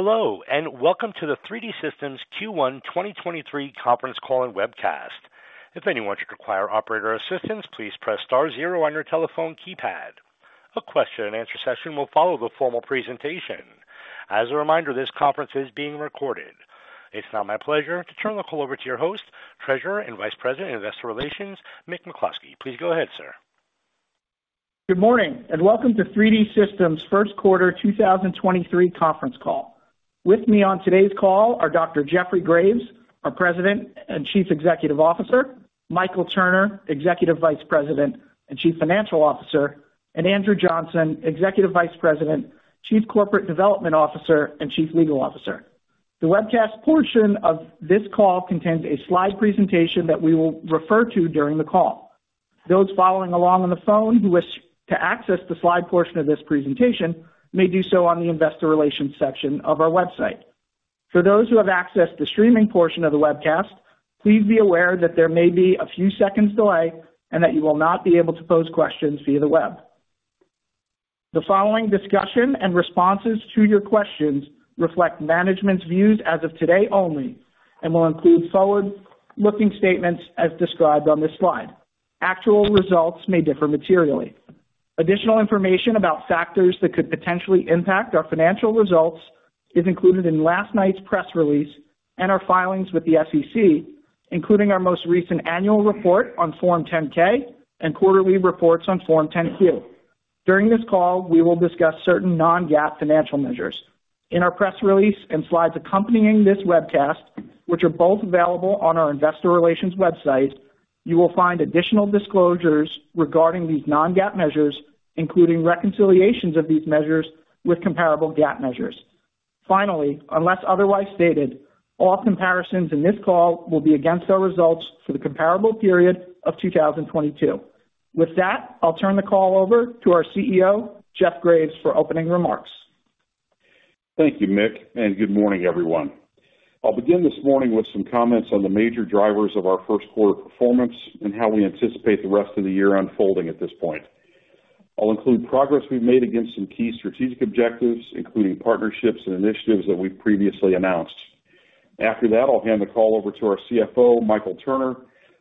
Hello, welcome to the 3D Systems Q1 2023 conference call and webcast. If anyone should require operator assistance, please press star zero on your telephone keypad. A question and answer session will follow the formal presentation. As a reminder, this conference is being recorded. It's now my pleasure to turn the call over to your host, Treasurer and Vice President Investor Relations, Mick McCloskey. Please go ahead, sir. Good morning, welcome to 3D Systems first quarter 2023 conference call. With me on today's call are Dr. Jeffrey Graves, our President and Chief Executive Officer, Michael Turner, Executive Vice President and Chief Financial Officer, and Andrew Johnson, Executive Vice President, Chief Corporate Development Officer, and Chief Legal Officer. The webcast portion of this call contains a slide presentation that we will refer to during the call. Those following along on the phone who wish to access the slide portion of this presentation may do so on the investor relations section of our website. For those who have accessed the streaming portion of the webcast, please be aware that there may be a few seconds delay and that you will not be able to pose questions via the web. The following discussion and responses to your questions reflect management's views as of today only and will include forward-looking statements as described on this slide. Actual results may differ materially. Additional information about factors that could potentially impact our financial results is included in last night's press release and our filings with the SEC, including our most recent annual report on Form 10-K and quarterly reports on Form 10-Q. During this call, we will discuss certain non-GAAP financial measures. In our press release and slides accompanying this webcast, which are both available on our investor relations website, you will find additional disclosures regarding these non-GAAP measures, including reconciliations of these measures with comparable GAAP measures. Unless otherwise stated, all comparisons in this call will be against our results for the comparable period of 2022. With that, I'll turn the call over to our CEO, Jeff Graves for opening remarks. Thank you, Mick, and good morning, everyone. I'll begin this morning with some comments on the major drivers of our first quarter performance and how we anticipate the rest of the year unfolding at this point. I'll include progress we've made against some key strategic objectives, including partnerships and initiatives that we've previously announced. After that, I'll hand the call over to our CFO, Michael Turner,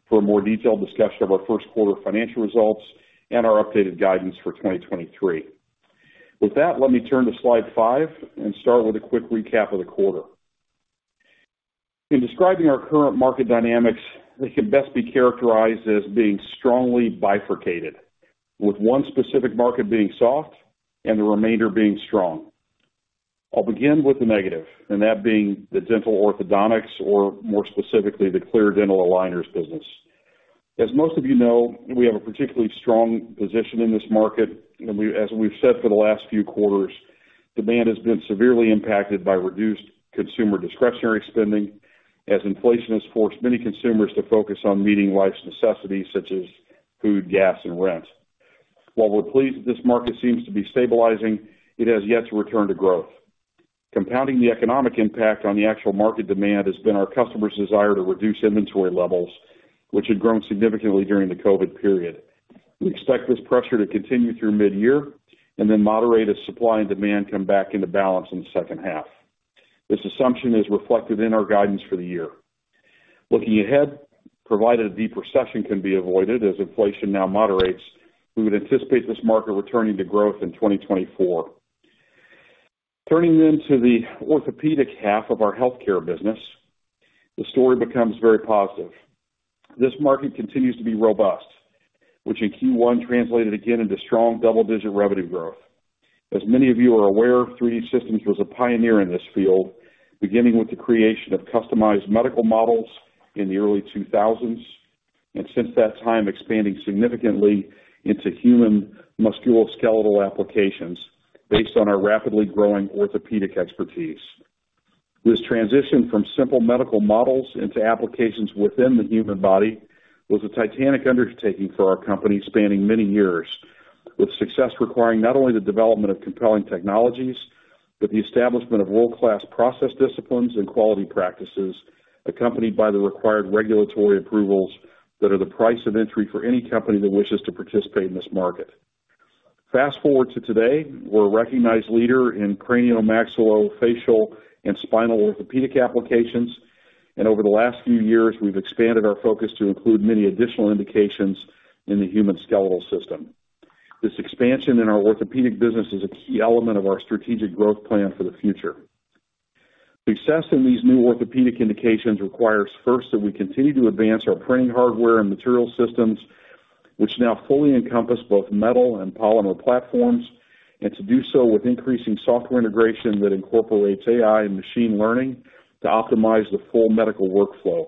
for a more detailed discussion of our first quarter financial results and our updated guidance for 2023. With that, let me turn to slide five and start with a quick recap of the quarter. In describing our current market dynamics, they can best be characterized as being strongly bifurcated, with one specific market being soft and the remainder being strong. I'll begin with the negative, and that being the dental orthodontics, or more specifically, the clear dental aligners business. As most of you know, we have a particularly strong position in this market, as we've said for the last few quarters, demand has been severely impacted by reduced consumer discretionary spending as inflation has forced many consumers to focus on meeting life's necessities such as food, gas, and rent. While we're pleased that this market seems to be stabilizing, it has yet to return to growth. Compounding the economic impact on the actual market demand has been our customers' desire to reduce inventory levels, which had grown significantly during the COVID period. We expect this pressure to continue through mid-year and then moderate as supply and demand come back into balance in the second half. This assumption is reflected in our guidance for the year. Looking ahead, provided a deep recession can be avoided as inflation now moderates, we would anticipate this market returning to growth in 2024. Turning then to the orthopedic half of our Healthcare Solutions business, the story becomes very positive. This market continues to be robust, which in Q1 translated again into strong double-digit revenue growth. As many of you are aware, 3D Systems was a pioneer in this field, beginning with the creation of customized medical models in the early 2000s, and since that time, expanding significantly into human musculoskeletal applications based on our rapidly growing orthopedic expertise. This transition from simple medical models into applications within the human body was a titanic undertaking for our company, spanning many years, with success requiring not only the development of compelling technologies, but the establishment of world-class process disciplines and quality practices, accompanied by the required regulatory approvals that are the price of entry for any company that wishes to participate in this market. Fast-forward to today, we're a recognized leader in cranio-maxillo-facial and spinal orthopedic applications, and over the last few years, we've expanded our focus to include many additional indications in the human skeletal system. This expansion in our orthopedic business is a key element of our strategic growth plan for the future. Success in these new orthopedic indications requires first that we continue to advance our printing hardware and material systems, which now fully encompass both metal and polymer platforms, and to do so with increasing software integration that incorporates AI and machine learning to optimize the full medical workflow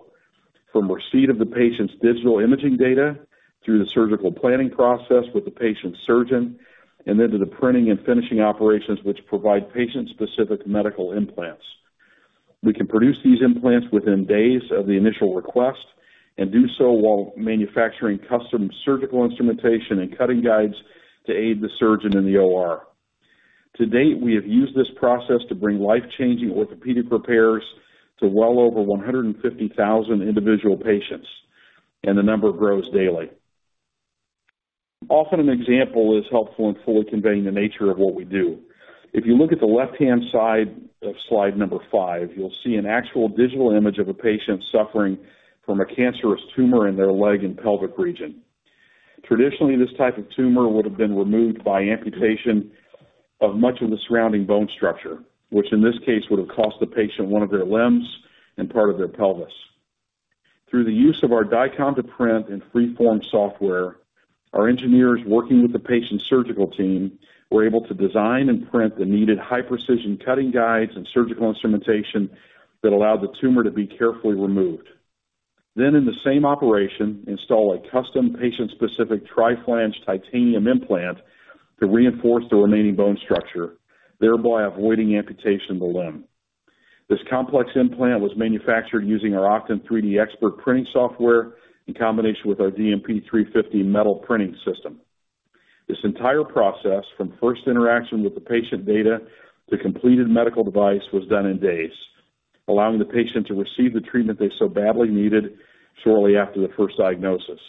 from receipt of the patient's digital imaging data through the surgical planning process with the patient's surgeon, and then to the printing and finishing operations which provide patient-specific medical implants. We can produce these implants within days of the initial request and do so while manufacturing custom surgical instrumentation and cutting guides to aid the surgeon in the OR. To date, we have used this process to bring life-changing orthopedic repairs to well over 150,000 individual patients, and the number grows daily. Often an example is helpful in fully conveying the nature of what we do. If you look at the left-hand side of slide five, you'll see an actual digital image of a patient suffering from a cancerous tumor in their leg and pelvic region. Traditionally, this type of tumor would have been removed by amputation of much of the surrounding bone structure, which in this case would have cost the patient one of their limbs and part of their pelvis. Through the use of our DICOM-to-Print and Geomagic Freeform software, our engineers working with the patient's surgical team were able to design and print the needed high-precision cutting guides and surgical instrumentation that allowed the tumor to be carefully removed. In the same operation, install a custom patient-specific tri-flange titanium implant to reinforce the remaining bone structure, thereby avoiding amputation of the limb. This complex implant was manufactured using our Oqton 3DXpert printing software in combination with our DMP 350 metal printing system. This entire process, from first interaction with the patient data to completed medical device, was done in days, allowing the patient to receive the treatment they so badly needed shortly after the first diagnosis.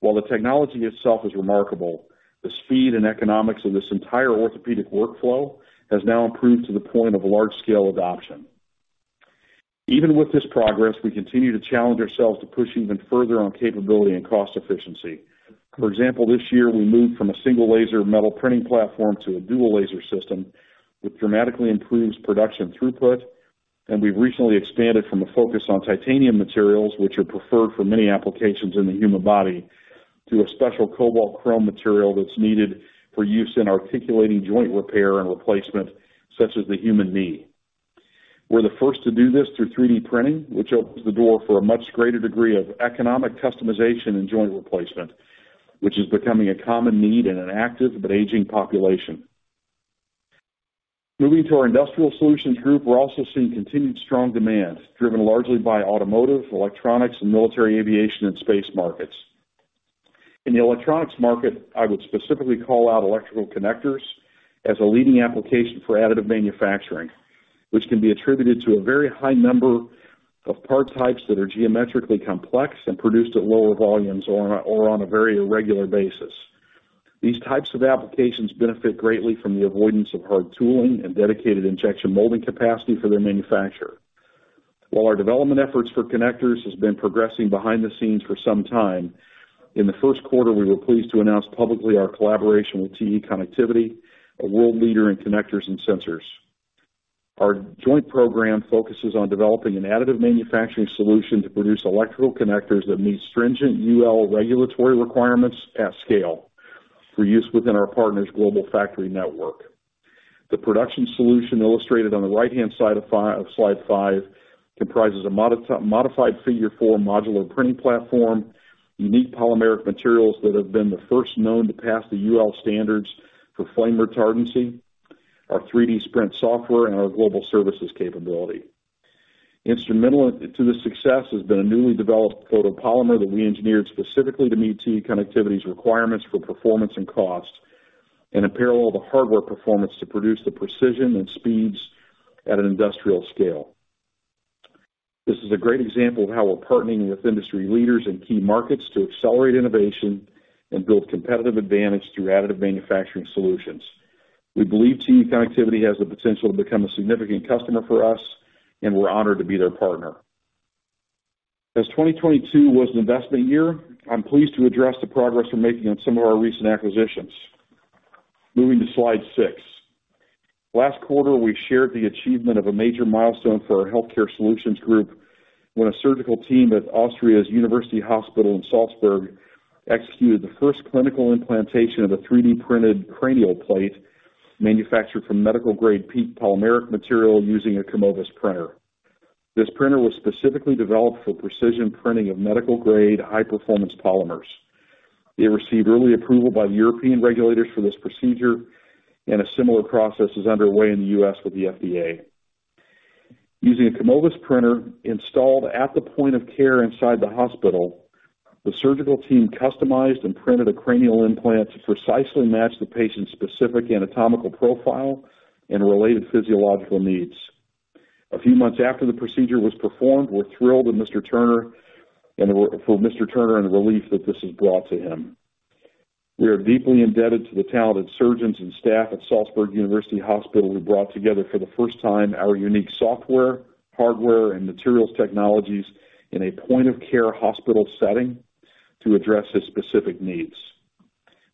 While the technology itself is remarkable, the speed and economics of this entire orthopedic workflow has now improved to the point of large-scale adoption. Even with this progress, we continue to challenge ourselves to push even further on capability and cost efficiency. For example, this year we moved from a single laser metal printing platform to a dual laser system, which dramatically improves production throughput. We've recently expanded from a focus on titanium materials, which are preferred for many applications in the human body, to a special cobalt chrome material that's needed for use in articulating joint repair and replacement, such as the human knee. We're the first to do this through 3D printing, which opens the door for a much greater degree of economic customization in joint replacement, which is becoming a common need in an active but aging population. To our Industrial Solutions group, we're also seeing continued strong demand, driven largely by automotive, electronics, and military aviation and space markets. In the electronics market, I would specifically call out electrical connectors as a leading application for additive manufacturing, which can be attributed to a very high number of part types that are geometrically complex and produced at lower volumes or on a very irregular basis. These types of applications benefit greatly from the avoidance of hard tooling and dedicated injection molding capacity for their manufacturer. While our development efforts for connectors has been progressing behind the scenes for some time, in the first quarter, we were pleased to announce publicly our collaboration with TE Connectivity, a world leader in connectors and sensors. Our joint program focuses on developing an additive manufacturing solution to produce electrical connectors that meet stringent UL regulatory requirements at scale for use within our partner's global factory network. The production solution illustrated on the right-hand side of slide five comprises a modified Figure 4 modular printing platform, unique polymeric materials that have been the first known to pass the UL standards for flame retardancy, our 3D Sprint software, and our global services capability. Instrumental to this success has been a newly developed photopolymer that we engineered specifically to meet TE Connectivity's requirements for performance and cost, and in parallel, the hardware performance to produce the precision and speeds at an industrial scale. This is a great example of how we're partnering with industry leaders in key markets to accelerate innovation and build competitive advantage through additive manufacturing solutions. We believe TE Connectivity has the potential to become a significant customer for us, and we're honored to be their partner. As 2022 was an investment year, I'm pleased to address the progress we're making on some of our recent acquisitions. Moving to slide six. Last quarter, we shared the achievement of a major milestone for our Healthcare Solutions group when a surgical team at Austria's University Hospital in Salzburg executed the first clinical implantation of a 3D printed cranial plate manufactured from medical-grade PEEK polymeric material using a Kumovis printer. This printer was specifically developed for precision printing of medical-grade, high-performance polymers. It received early approval by the European regulators for this procedure. A similar process is underway in the U.S. with the FDA. Using a Kumovis printer installed at the point of care inside the hospital, the surgical team customized and printed a cranial implant to precisely match the patient's specific anatomical profile and related physiological needs. A few months after the procedure was performed, we're thrilled for Mr. Turner and the relief that this has brought to him. We are deeply indebted to the talented surgeons and staff at Salzburg University Hospital, who brought together for the first time our unique software, hardware, and materials technologies in a point-of-care hospital setting to address his specific needs.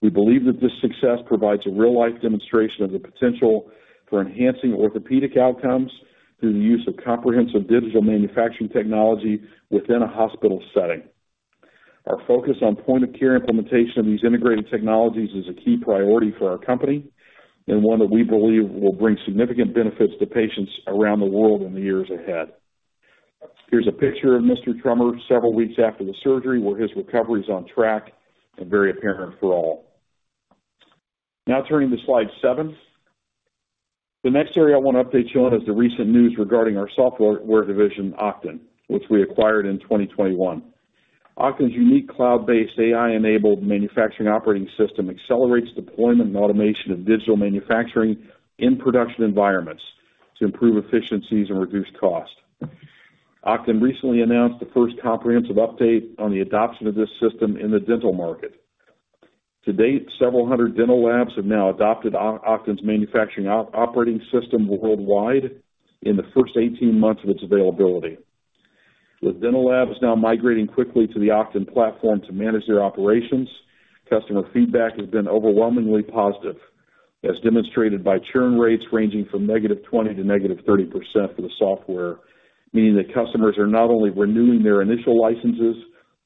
We believe that this success provides a real-life demonstration of the potential for enhancing orthopedic outcomes through the use of comprehensive digital manufacturing technology within a hospital setting. Our focus on point-of-care implementation of these integrated technologies is a key priority for our company and one that we believe will bring significant benefits to patients around the world in the years ahead. Here's a picture of Mr. Trummer several weeks after the surgery, where his recovery is on track and very apparent for all. Now turning to slide seven. The next area I want to update you on is the recent news regarding our software division, Oqton, which we acquired in 2021. Oqton's unique cloud-based AI-enabled manufacturing operating system accelerates deployment and automation of digital manufacturing in production environments to improve efficiencies and reduce cost. Oqton recently announced the first comprehensive update on the adoption of this system in the dental market. To date, several hundred dental labs have now adopted Oqton's manufacturing operating system worldwide in the first 18 months of its availability. With dental labs now migrating quickly to the Oqton platform to manage their operations, customer feedback has been overwhelmingly positive, as demonstrated by churn rates ranging from -20% to -30% for the software, meaning that customers are not only renewing their initial licenses,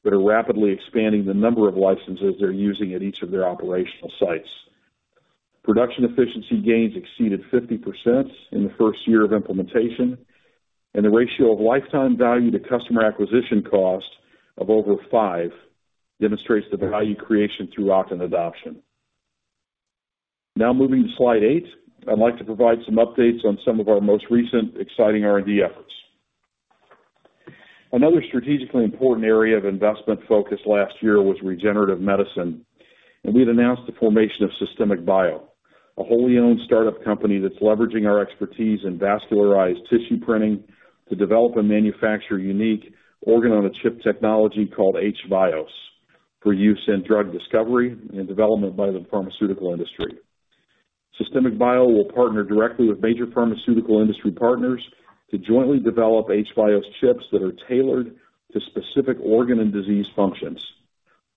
but are rapidly expanding the number of licenses they're using at each of their operational sites. Production efficiency gains exceeded 50% in the first year of implementation, the ratio of lifetime value to customer acquisition cost of over five demonstrates the value creation through Oqton adoption. Now moving to slide eight, I'd like to provide some updates on some of our most recent exciting R&D efforts. Another strategically important area of investment focus last year was regenerative medicine, we had announced the formation of Systemic Bio, a wholly owned startup company that's leveraging our expertise in vascularized tissue printing to develop and manufacture unique organ-on-a-chip technology called h-VIOS for use in drug discovery and development by the pharmaceutical industry. Systemic Bio will partner directly with major pharmaceutical industry partners to jointly develop h-VIOS chips that are tailored to specific organ and disease functions,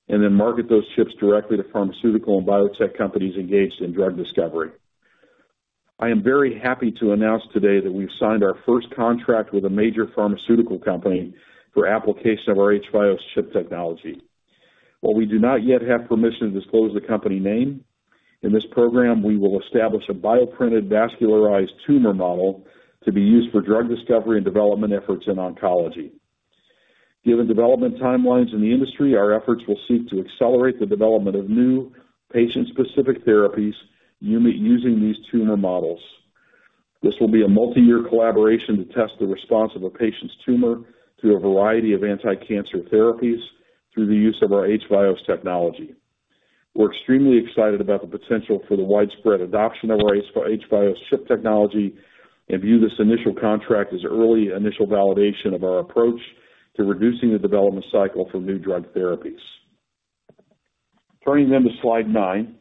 then market those chips directly to pharmaceutical and biotech companies engaged in drug discovery. I am very happy to announce today that we've signed our first contract with a major pharmaceutical company for application of our h-VIOS chip technology. While we do not yet have permission to disclose the company name, in this program, we will establish a bioprinted vascularized tumor model to be used for drug discovery and development efforts in oncology. Given development timelines in the industry, our efforts will seek to accelerate the development of new patient-specific therapies using these tumor models. This will be a multiyear collaboration to test the response of a patient's tumor to a variety of anti-cancer therapies through the use of our h-VIOS technology. We're extremely excited about the potential for the widespread adoption of our h-VIOS chip technology and view this initial contract as early initial validation of our approach to reducing the development cycle for new drug therapies. Turning to slide nine.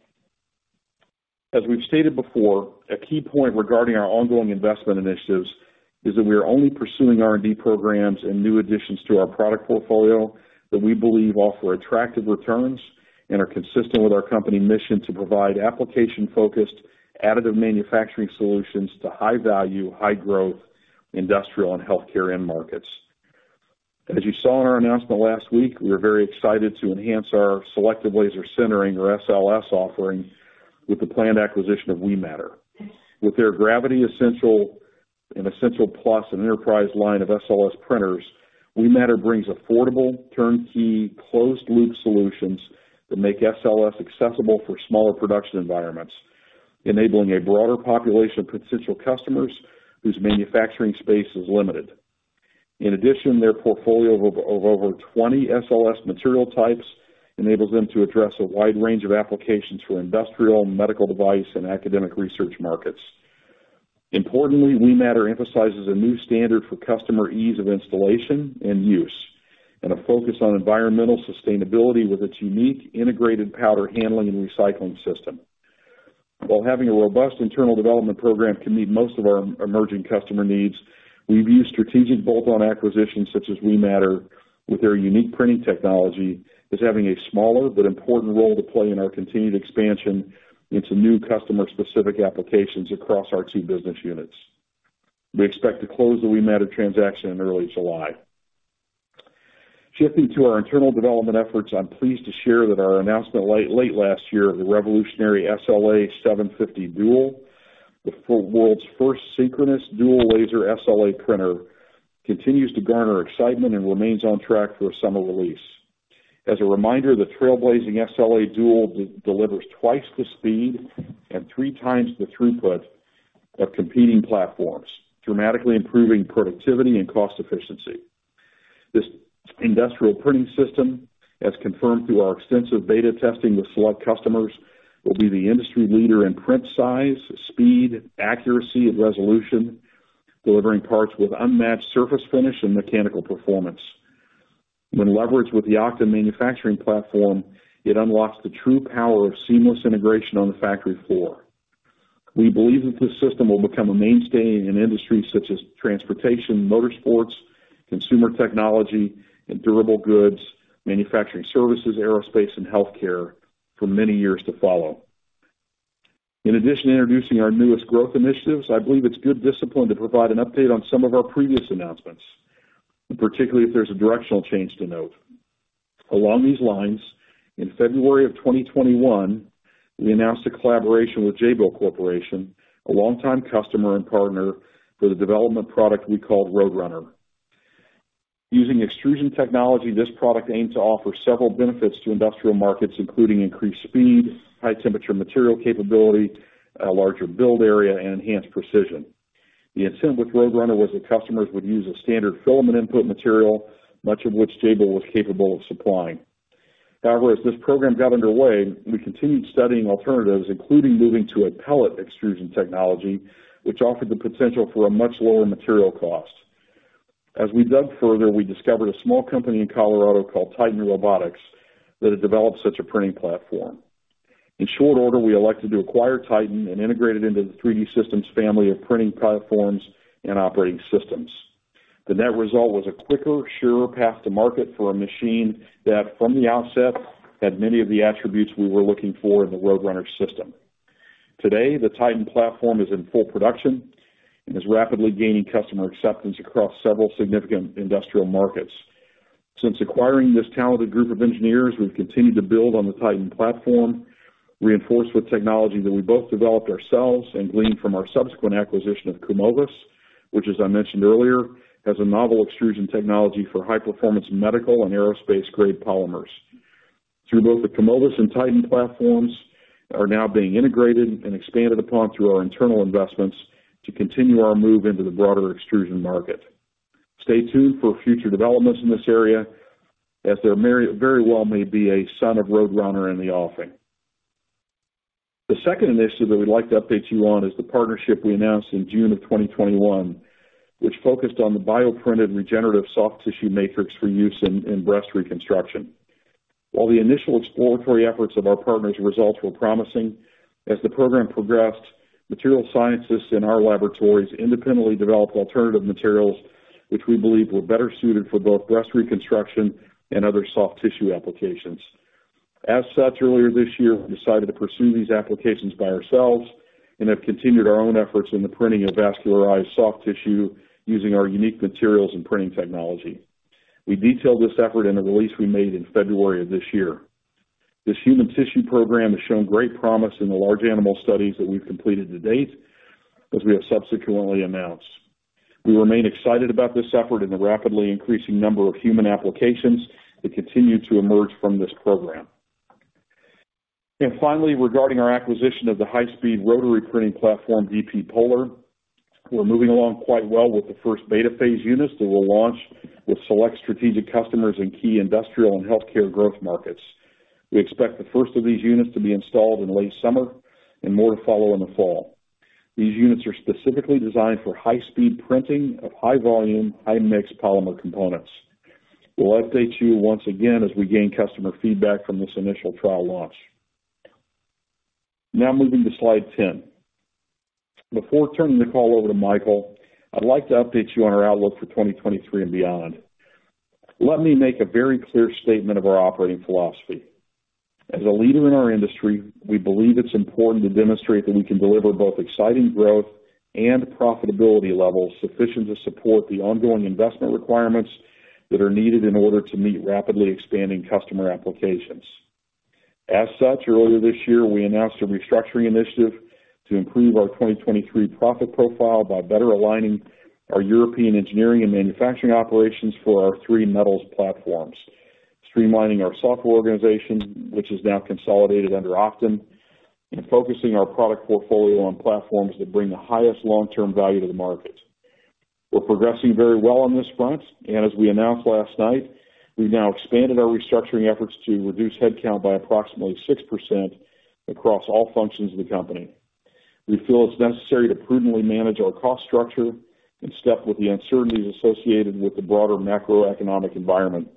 As we've stated before, a key point regarding our ongoing investment initiatives is that we are only pursuing R&D programs and new additions to our product portfolio that we believe offer attractive returns and are consistent with our company mission to provide application-focused additive manufacturing solutions to high value, high growth industrial and healthcare end markets. As you saw in our announcement last week, we are very excited to enhance our selective laser sintering or SLS offering with the planned acquisition of Wematter. With their Gravity Essential and Essential Plus and Enterprise line of SLS printers, Wematter brings affordable, turnkey, closed loop solutions that make SLS accessible for smaller production environments, enabling a broader population of potential customers whose manufacturing space is limited. In addition, their portfolio of over 20 SLS material types enables them to address a wide range of applications for industrial and medical device and academic research markets. Importantly, Wematter emphasizes a new standard for customer ease of installation and use, and a focus on environmental sustainability with its unique integrated powder handling and recycling system. While having a robust internal development program can meet most of our emerging customer needs, we view strategic bolt-on acquisitions such as Wematter with their unique printing technology as having a smaller but important role to play in our continued expansion into new customer-specific applications across our two business units. We expect to close the Wematter transaction in early July. Shifting to our internal development efforts, I'm pleased to share that our announcement late last year of the revolutionary SLA 750 Dual, the world's first synchronous dual laser SLA printer, continues to garner excitement and remains on track for a summer release. As a reminder, the trailblazing SLA Dual delivers twice the speed and three times the throughput of competing platforms, dramatically improving productivity and cost efficiency. This industrial printing system, as confirmed through our extensive beta testing with select customers, will be the industry leader in print size, speed, accuracy of resolution, delivering parts with unmatched surface finish and mechanical performance. When leveraged with the Oqton manufacturing platform, it unlocks the true power of seamless integration on the factory floor. We believe that this system will become a mainstay in industries such as transportation, motorsports, consumer technology and durable goods, manufacturing services, aerospace and healthcare for many years to follow. In addition to introducing our newest growth initiatives, I believe it's good discipline to provide an update on some of our previous announcements, particularly if there's a directional change to note. Along these lines, in February of 2021, we announced a collaboration with Jabil, a longtime customer and partner, for the development product we call Roadrunner. Using extrusion technology, this product aims to offer several benefits to industrial markets, including increased speed, high temperature material capability, a larger build area and enhanced precision. The intent with Roadrunner was that customers would use a standard filament input material, much of which Jabil was capable of supplying. However, as this program got underway, we continued studying alternatives, including moving to a pellet extrusion technology which offered the potential for a much lower material cost. As we dug further, we discovered a small company in Colorado called Titan Robotics that had developed such a printing platform. In short order, we elected to acquire Titan and integrate it into the 3D Systems family of printing platforms and operating systems. The net result was a quicker, surer path to market for a machine that, from the outset, had many of the attributes we were looking for in the Roadrunner system. Today, the Titan platform is in full production and is rapidly gaining customer acceptance across several significant industrial markets. Since acquiring this talented group of engineers, we've continued to build on the Titan platform, reinforced with technology that we both developed ourselves and gleaned from our subsequent acquisition of Kumovis, which, as I mentioned earlier, has a novel extrusion technology for high-performance medical and aerospace-grade polymers. Both the Kumovis and Titan platforms are now being integrated and expanded upon through our internal investments to continue our move into the broader extrusion market. Stay tuned for future developments in this area as there very, very well may be a son of Roadrunner in the offing. The second initiative that we'd like to update you on is the partnership we announced in June of 2021, which focused on the bioprinted regenerative soft tissue matrix for use in breast reconstruction. While the initial exploratory efforts of our partners results were promising, as the program progressed, material scientists in our laboratories independently developed alternative materials which we believe were better suited for both breast reconstruction and other soft tissue applications. Earlier this year, we decided to pursue these applications by ourselves and have continued our own efforts in the printing of vascularized soft tissue using our unique materials and printing technology. We detailed this effort in a release we made in February of this year. This human tissue program has shown great promise in the large animal studies that we've completed to date, as we have subsequently announced. We remain excited about this effort and the rapidly increasing number of human applications that continue to emerge from this program. Finally, regarding our acquisition of the high-speed rotary printing platform, dp polar, we're moving along quite well with the first beta phase units that we'll launch with select strategic customers in key industrial and healthcare growth markets. We expect the first of these units to be installed in late summer and more to follow in the fall. These units are specifically designed for high-speed printing of high volume, high-mix polymer components. We'll update you once again as we gain customer feedback from this initial trial launch. Moving to slide 10. Before turning the call over to Michael, I'd like to update you on our outlook for 2023 and beyond. Let me make a very clear statement of our operating philosophy. As a leader in our industry, we believe it's important to demonstrate that we can deliver both exciting growth and profitability levels sufficient to support the ongoing investment requirements that are needed in order to meet rapidly expanding customer applications. As such, earlier this year, we announced a restructuring initiative to improve our 2023 profit profile by better aligning our European engineering and manufacturing operations for our three metals platforms, streamlining our software organization, which is now consolidated under Oqton, and focusing our product portfolio on platforms that bring the highest long-term value to the market. We're progressing very well on this front, and as we announced last night, we've now expanded our restructuring efforts to reduce headcount by approximately 6% across all functions of the company. We feel it's necessary to prudently manage our cost structure in step with the uncertainties associated with the broader macroeconomic environment.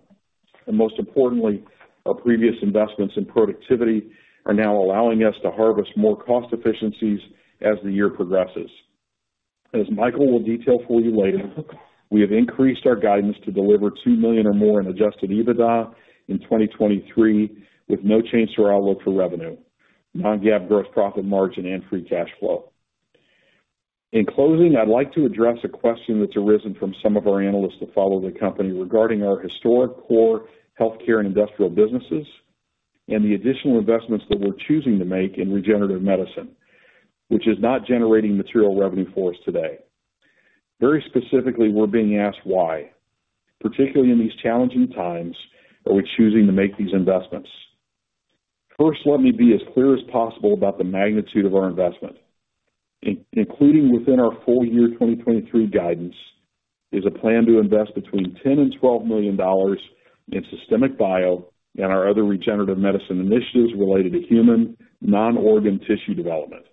Most importantly, our previous investments in productivity are now allowing us to harvest more cost efficiencies as the year progresses. As Michael will detail for you later, we have increased our guidance to deliver $2 million or more in adjusted EBITDA in 2023, with no change to our outlook for revenue, non-GAAP gross profit margin, and free cash flow. In closing, I'd like to address a question that's arisen from some of our analysts that follow the company regarding our historic core healthcare and industrial businesses and the additional investments that we're choosing to make in regenerative medicine, which is not generating material revenue for us today. Very specifically, we're being asked why, particularly in these challenging times, are we choosing to make these investments? First, let me be as clear as possible about the magnitude of our investment. Including within our full year 2023 guidance is a plan to invest between $10 million and $12 million in Systemic Bio and our other regenerative medicine initiatives related to human non-organ tissue development.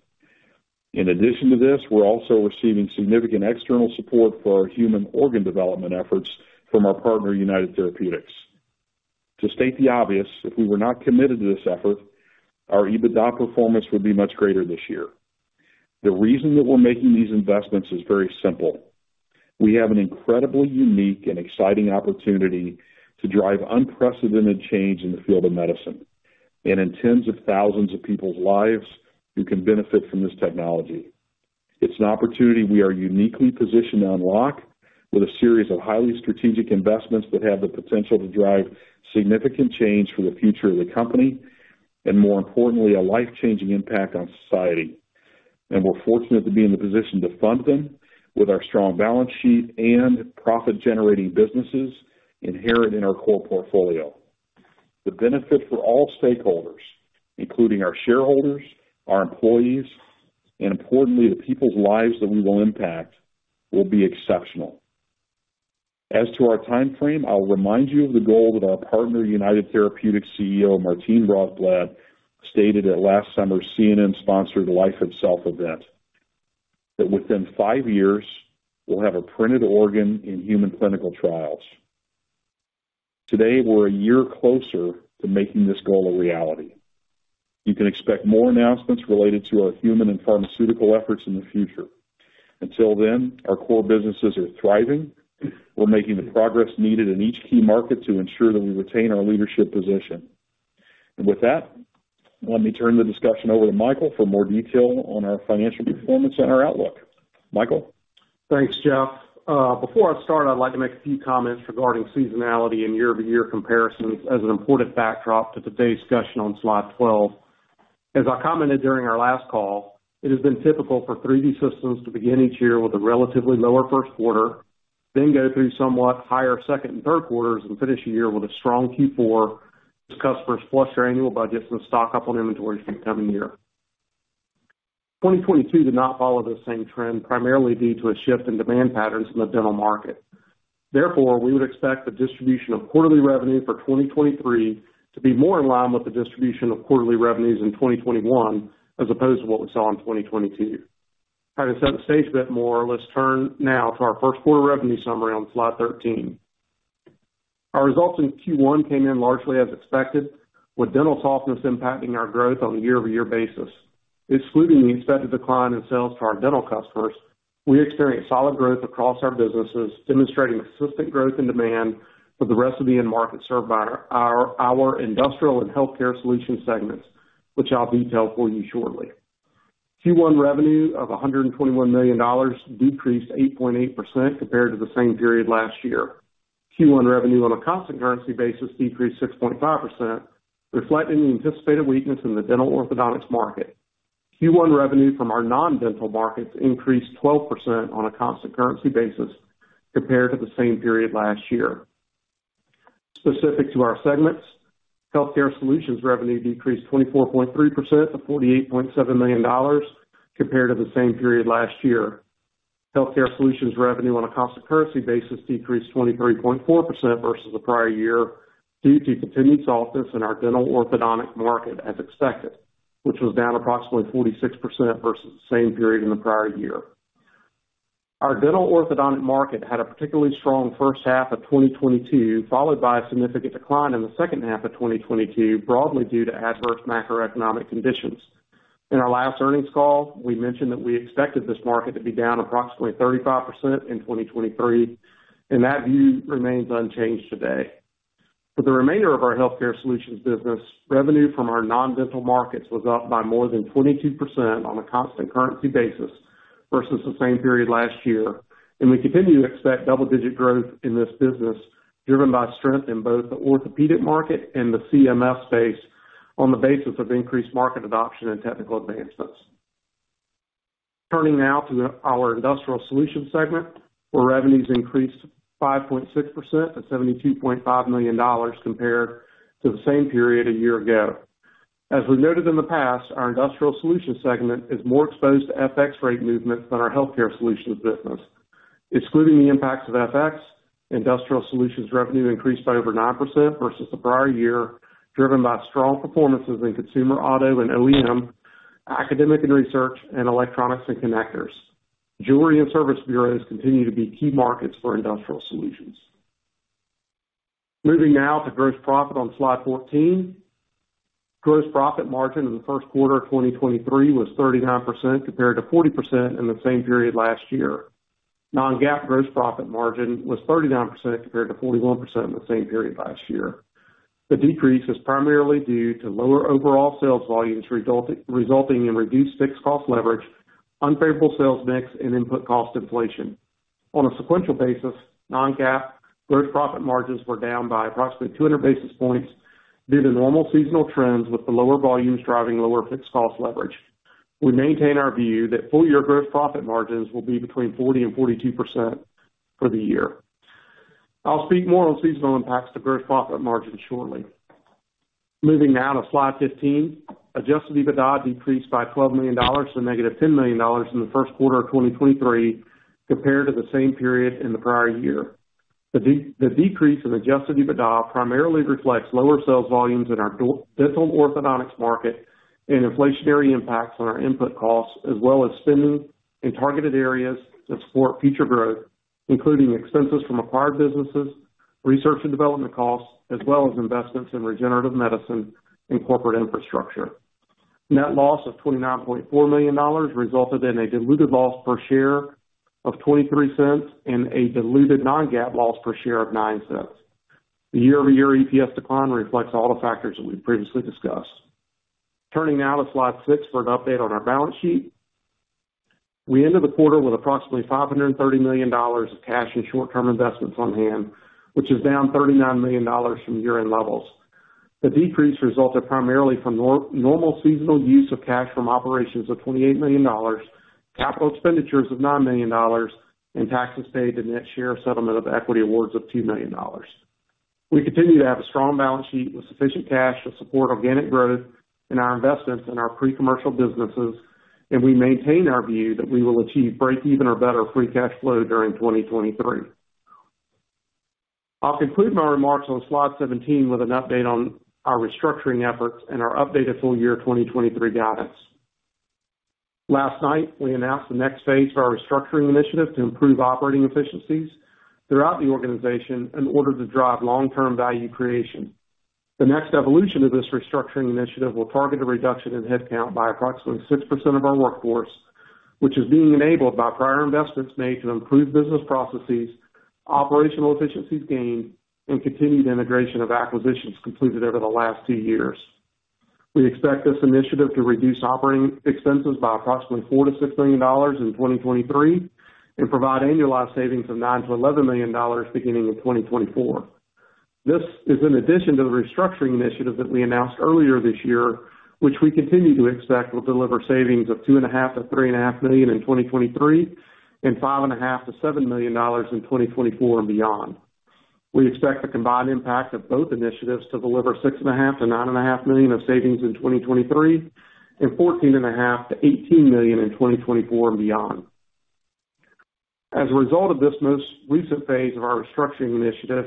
In addition to this, we're also receiving significant external support for our human organ development efforts from our partner, United Therapeutics. To state the obvious, if we were not committed to this effort, our EBITDA performance would be much greater this year. The reason that we're making these investments is very simple. We have an incredibly unique and exciting opportunity to drive unprecedented change in the field of medicine and in tens of thousands of people's lives who can benefit from this technology. It's an opportunity we are uniquely positioned to unlock with a series of highly strategic investments that have the potential to drive significant change for the future of the company, and more importantly, a life-changing impact on society. We're fortunate to be in the position to fund them with our strong balance sheet and profit-generating businesses inherent in our core portfolio. The benefit for all stakeholders, including our shareholders, our employees, and importantly, the people's lives that we will impact, will be exceptional. As to our timeframe, I'll remind you of the goal that our partner, United Therapeutics CEO, Martine Rothblatt, stated at last summer's CNN-sponsored Life Itself event. Within five years, we'll have a printed organ in human clinical trials. Today, we're 1 year closer to making this goal a reality. You can expect more announcements related to our human and pharmaceutical efforts in the future. Until then, our core businesses are thriving. We're making the progress needed in each key market to ensure that we retain our leadership position. With that, let me turn the discussion over to Michael for more detail on our financial performance and our outlook. Michael? Thanks, Jeff. Before I start, I'd like to make a few comments regarding seasonality and year-over-year comparisons as an important backdrop to today's discussion on slide 12. As I commented during our last call, it has been typical for 3D Systems to begin each year with a relatively lower first quarter, then go through somewhat higher second and third quarters and finish the year with a strong Q4 as customers flush their annual budgets and stock up on inventory for the coming year. 2022 did not follow the same trend, primarily due to a shift in demand patterns in the dental market. Therefore, we would expect the distribution of quarterly revenue for 2023 to be more in line with the distribution of quarterly revenues in 2021 as opposed to what we saw in 2022. Try to set the stage a bit more, let's turn now to our first quarter revenue summary on slide 13. Our results in Q1 came in largely as expected, with dental softness impacting our growth on a year-over-year basis. Excluding the expected decline in sales to our dental customers, we experienced solid growth across our businesses, demonstrating consistent growth and demand for the rest of the end market served by our Industrial Solutions and Healthcare Solutions segments, which I'll detail for you shortly. Q1 revenue of $121 million decreased 8.8% compared to the same period last year. Q1 revenue on a constant currency basis decreased 6.5%, reflecting the anticipated weakness in the dental orthodontics market. Q1 revenue from our non-dental markets increased 12% on a constant currency basis compared to the same period last year. Specific to our segments, Healthcare Solutions revenue decreased 24.3% to $48.7 million compared to the same period last year. Healthcare Solutions revenue on a constant currency basis decreased 23.4% versus the prior year due to continued softness in our dental orthodontic market as expected, which was down approximately 46% versus the same period in the prior year. Our dental orthodontic market had a particularly strong first half of 2022, followed by a significant decline in the second half of 2022, broadly due to adverse macroeconomic conditions. In our last earnings call, we mentioned that we expected this market to be down approximately 35% in 2023, that view remains unchanged today. For the remainder of our Healthcare Solutions business, revenue from our non-dental markets was up by more than 22% on a constant currency basis versus the same period last year, and we continue to expect double-digit growth in this business, driven by strength in both the orthopedic market and the CMS space on the basis of increased market adoption and technical advancements. Turning now to our Industrial Solutions segment, where revenues increased 5.6% to $72.5 million compared to the same period a year ago. As we noted in the past, our Industrial Solutions segment is more exposed to FX rate movements than our Healthcare Solutions business. Excluding the impacts of FX, Industrial Solutions revenue increased by over 9% versus the prior year, driven by strong performances in consumer auto and OEM, academic and research, and electronics and connectors. Jewelry and service bureaus continue to be key markets for Industrial Solutions. Moving now to gross profit on slide 14. Gross profit margin in the first quarter of 2023 was 39% compared to 40% in the same period last year. Non-GAAP gross profit margin was 39% compared to 41% in the same period last year. The decrease is primarily due to lower overall sales volumes resulting in reduced fixed cost leverage, unfavorable sales mix, and input cost inflation. On a sequential basis, non-GAAP gross profit margins were down by approximately 200 basis points due to normal seasonal trends with the lower volumes driving lower fixed cost leverage. We maintain our view that full-year gross profit margins will be between 40% and 42% for the year. I'll speak more on seasonal impacts to gross profit margin shortly. Moving now to slide 15. Adjusted EBITDA decreased by $12 million to negative $10 million in the first quarter of 2023 compared to the same period in the prior year. The decrease in adjusted EBITDA primarily reflects lower sales volumes in our dental orthodontics market and inflationary impacts on our input costs, as well as spending in targeted areas that support future growth, including expenses from acquired businesses, research and development costs, as well as investments in regenerative medicine and corporate infrastructure. Net loss of $29.4 million resulted in a diluted loss per share of $0.23 and a diluted non-GAAP loss per share of $0.09. The year-over-year EPS decline reflects all the factors that we've previously discussed. Turning now to slide 6 for an update on our balance sheet. We ended the quarter with approximately $530 million of cash and short-term investments on hand, which is down $39 million from year-end levels. The decrease resulted primarily from normal seasonal use of cash from operations of $28 million, capital expenditures of $9 million, and taxes paid the net share of settlement of equity awards of $2 million. We continue to have a strong balance sheet with sufficient cash to support organic growth in our investments in our pre-commercial businesses. We maintain our view that we will achieve break even or better free cash flow during 2023. I'll conclude my remarks on slide 17 with an update on our restructuring efforts and our updated full year 2023 guidance. Last night, we announced the next phase of our restructuring initiative to improve operating efficiencies throughout the organization in order to drive long-term value creation. The next evolution of this restructuring initiative will target a reduction in headcount by approximately 6% of our workforce, which is being enabled by prior investments made to improve business processes, operational efficiencies gained, and continued integration of acquisitions completed over the last two years. We expect this initiative to reduce operating expenses by approximately $4 million-$6 million in 2023 and provide annualized savings of $9 million-$11 million beginning in 2024. This is in addition to the restructuring initiative that we announced earlier this year, which we continue to expect will deliver savings of two and a half to three and a half million in 2023 and five and a half to seven million dollars in 2024 and beyond. We expect the combined impact of both initiatives to deliver six and a half to nine and a half million of savings in 2023 and fourteen and a half to eighteen million in 2024 and beyond. As a result of this most recent phase of our restructuring initiative,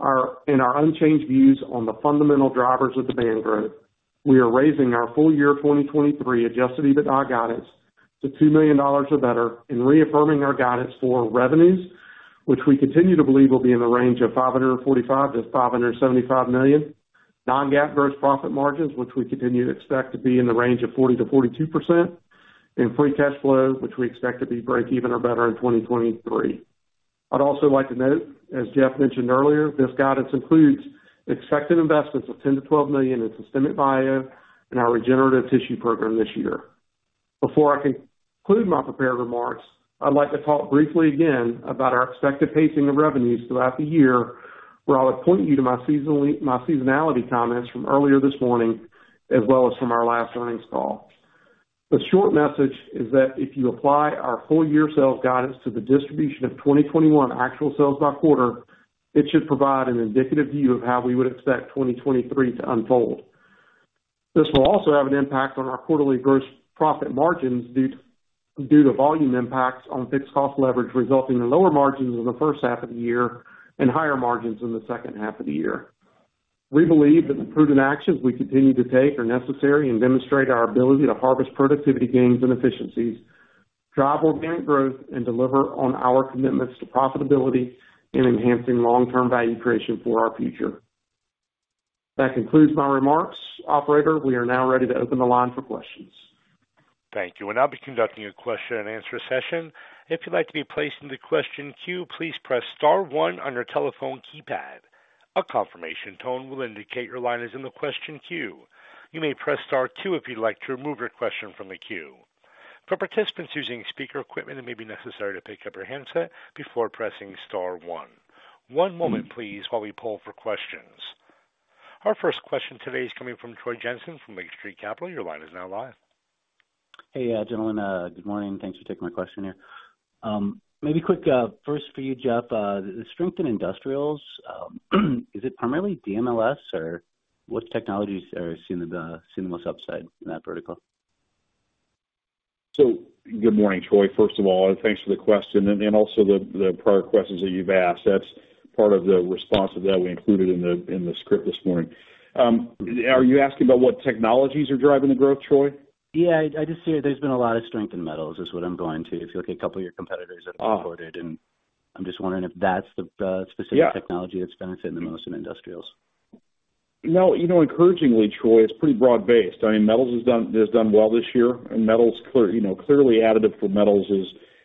in our unchanged views on the fundamental drivers of the band growth, we are raising our full year 2023 adjusted EBITDA guidance to $2 million or better in reaffirming our guidance for revenues, which we continue to believe will be in the range of $545 million-$575 million. Non-GAAP gross profit margins, which we continue to expect to be in the range of 40%-42% in free cash flow, which we expect to be break even or better in 2023. I'd also like to note, as Jeff mentioned earlier, this guidance includes expected investments of $10 million-$12 million in Systemic Bio and our regenerative tissue program this year. Before I conclude my prepared remarks, I'd like to talk briefly again about our expected pacing of revenues throughout the year, where I would point you to my seasonality comments from earlier this morning as well as from our last earnings call. The short message is that if you apply our full year sales guidance to the distribution of 2021 actual sales by quarter, it should provide an indicative view of how we would expect 2023 to unfold. This will also have an impact on our quarterly gross profit margins due to volume impacts on fixed cost leverage, resulting in lower margins in the first half of the year and higher margins in the second half of the year. We believe that the prudent actions we continue to take are necessary and demonstrate our ability to harvest productivity gains and efficiencies, drive organic growth and deliver on our commitments to profitability and enhancing long-term value creation for our future. That concludes my remarks. Operator, we are now ready to open the line for questions. Thank you. I'll be conducting a question and answer session. If you'd like to be placed into question queue, please press star one on your telephone keypad. A confirmation tone will indicate your line is in the question queue. You may press star two if you'd like to remove your question from the queue. For participants using speaker equipment, it may be necessary to pick up your handset before pressing star one. One moment please while we poll for questions. Our first question today is coming from Troy Jensen from Lake Street Capital. Your line is now live. Hey, gentlemen, good morning. Thanks for taking my question here. Maybe quick, first for you, Jeff. The strength in industrials, is it primarily DMLS or what technologies are seeing the most upside in that vertical? Good morning, Troy. First of all, thanks for the question and also the prior questions that you've asked. That's part of the response of that we included in the script this morning. Are you asking about what technologies are driving the growth, Troy? Yeah, I just see there's been a lot of strength in metals, is what I'm going to. If you look at a couple of your competitors have reported, I'm just wondering if that's the specific technology that's benefiting the most in industrials? No, you know, encouragingly, Troy, it's pretty broad-based. I mean, metals has done well this year, and metals clear, you know, clearly additive for metals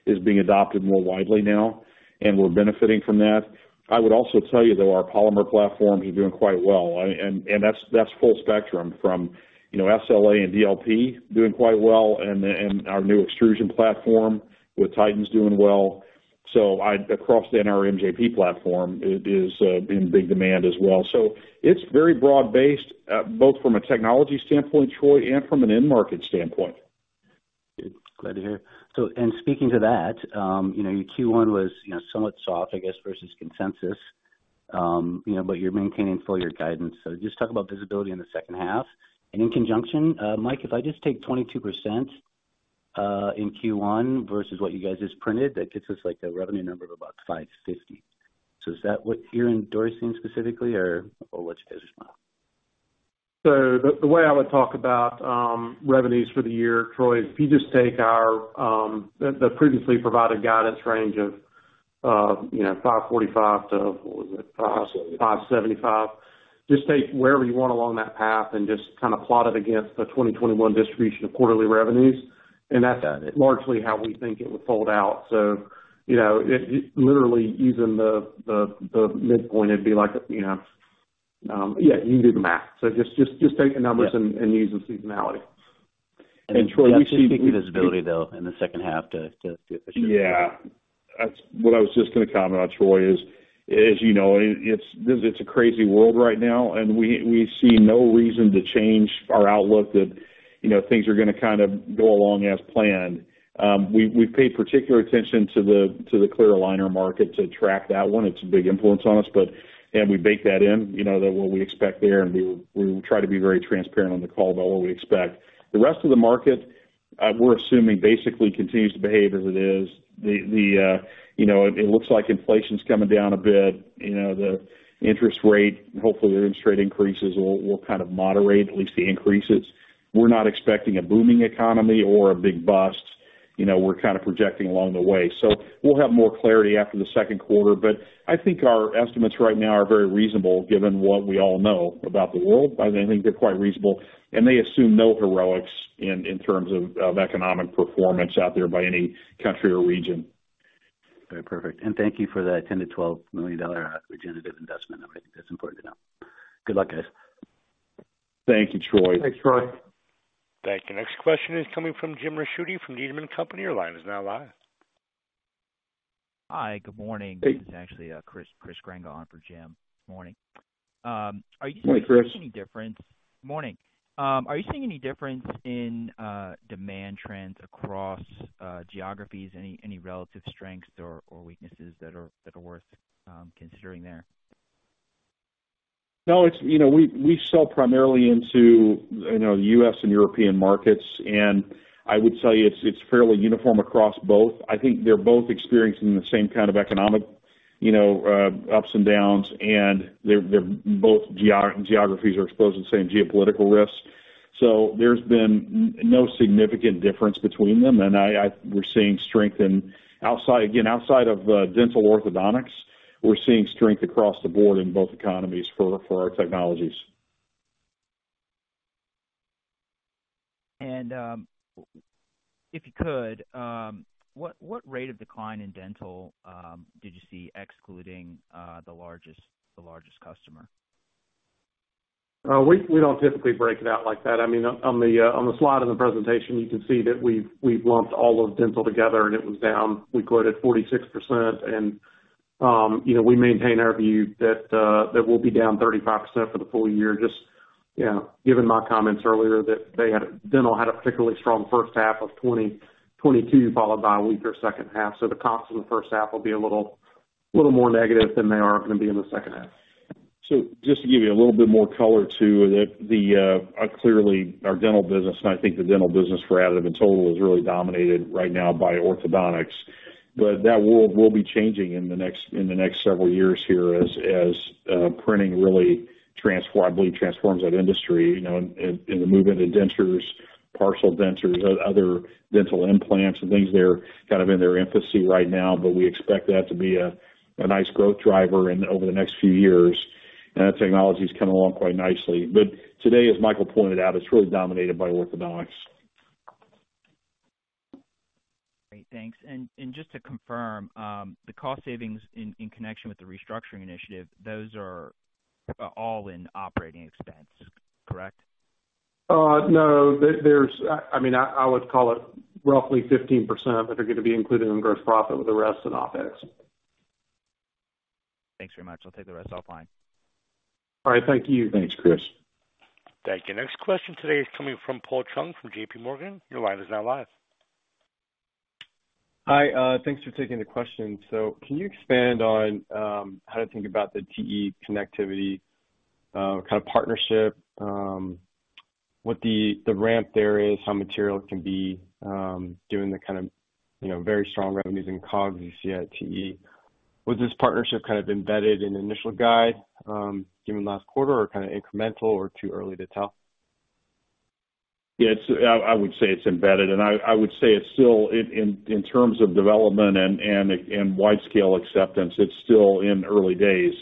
is being adopted more widely now, and we're benefiting from that. I would also tell you, though, our polymer platforms are doing quite well. And that's full spectrum from, you know, SLA and DLP doing quite well and our new extrusion platform with Titan's doing well. Across then our MJP platform is in big demand as well. It's very broad-based, both from a technology standpoint, Troy, and from an end market standpoint. Good. Glad to hear. Speaking to that, you know, your Q1 was, you know, somewhat soft, I guess, versus consensus. You know, but you're maintaining full year guidance. Just talk about visibility in the second half. In conjunction, Mike, if I just take 22% in Q1 versus what you guys just printed, that gets us like a revenue number of about $550. Is that what you're endorsing specifically or what you guys are smiling? The way I would talk about revenues for the year, Troy, if you just take our, the previously provided guidance range of, you know, $545 to, what was it? $575. Just take wherever you want along that path and just kind of plot it against the 2021 distribution of quarterly revenues. That's largely how we think it would fold out. You know, it literally using the midpoint, it'd be like, you know, yeah, you can do the math. Just take the numbers and use the seasonality. Troy, let me. Visibility, though, in the second half to. Yeah, that's what I was just gonna comment on, Troy, is, as you know, it's, this is a crazy world right now. We, we see no reason to change our outlook that, you know, things are gonna kind of go along as planned. We, we pay particular attention to the clear aligner market to track that one. It's a big influence on us. We bake that in, you know, that what we expect there. We, we try to be very transparent on the call about what we expect. The rest of the market, we're assuming basically continues to behave as it is. The, you know, it looks like inflation's coming down a bit, you know, the interest rate, hopefully, the interest rate increases will kind of moderate, at least the increases. We're not expecting a booming economy or a big bust. You know, we're kind of projecting along the way. We'll have more clarity after the second quarter, but I think our estimates right now are very reasonable given what we all know about the world. I think they're quite reasonable, and they assume no heroics in terms of economic performance out there by any country or region. Very perfect. Thank you for that $10 million-$12 million regenerative investment. I think that's important to know. Good luck, guys. Thank you, Troy. Thanks, Troy. Thank you. Next question is coming from Jim Ricchiuti from Needham & Company. Your line is now live. Hi. Good morning. Hey. This is actually, Chris Grenga on for Jim. Morning. Morning, Chris. Morning. Are you seeing any difference in demand trends across geographies? Any relative strengths or weaknesses that are worth considering there? No, it's, you know, we sell primarily into, you know, US and European markets, and I would tell you, it's fairly uniform across both. I think they're both experiencing the same kind of economic, you know, ups and downs, and they're both geographies are exposed to the same geopolitical risks. There's been no significant difference between them. We're seeing strength in again, outside of dental orthodontics, we're seeing strength across the board in both economies for our technologies. If you could, what rate of decline in dental did you see excluding the largest customer? We don't typically break it out like that. I mean, on the slide on the presentation, you can see that we've lumped all of dental together, and it was down, we quote, at 46%. You know, we maintain our view that we'll be down 35% for the full year. Just, you know, given my comments earlier that dental had a particularly strong first half of 2022, followed by a weaker second half. The comps in the first half will be a little more negative than they are gonna be in the second half. Just to give you a little bit more color to the clearly our dental business, and I think the dental business for additive in total is really dominated right now by orthodontics. That world will be changing in the next several years here as printing really I believe, transforms that industry. You know, in the move into dentures, partial dentures, other dental implants and things that are kind of in their infancy right now, but we expect that to be a nice growth driver over the next few years. That technology's coming along quite nicely. Today, as Michael pointed out, it's really dominated by orthodontics. Great. Thanks. Just to confirm, the cost savings in connection with the restructuring initiative, those are all in operating expense, correct? no. There's, I mean, I would call it roughly 15% of it are gonna be included in gross profit with the rest in OpEx. Thanks very much. I'll take the rest offline. All right. Thank you. Thanks, Chris. Thank you. Next question today is coming from Paul Chung from JP Morgan. Your line is now live. Hi. Thanks for taking the question. Can you expand on how to think about the TE Connectivity kind of partnership, what the ramp there is, how material it can be, given the kind of, you know, very strong revenues and COGS you see at TE? Was this partnership kind of embedded in the initial guide, given last quarter or kind of incremental or too early to tell? Yeah, I would say it's embedded. I would say it's still in terms of development and widescale acceptance, it's still in early days.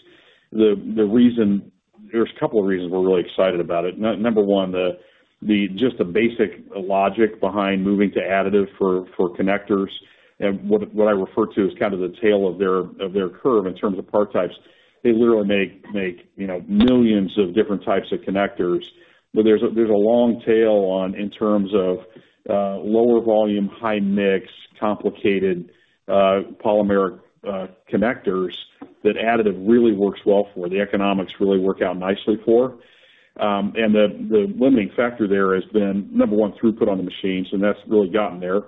The reason. There's a couple of reasons we're really excited about it. Number one, the just the basic logic behind moving to additive for connectors and what I refer to as kind of the tail of their curve in terms of part types. They literally make, you know, millions of different types of connectors. There's a long tail on in terms of lower volume, high mix, complicated polymeric connectors that additive really works well for, the economics really work out nicely for. The limiting factor there has been, number one, throughput on the machines, and that's really gotten there,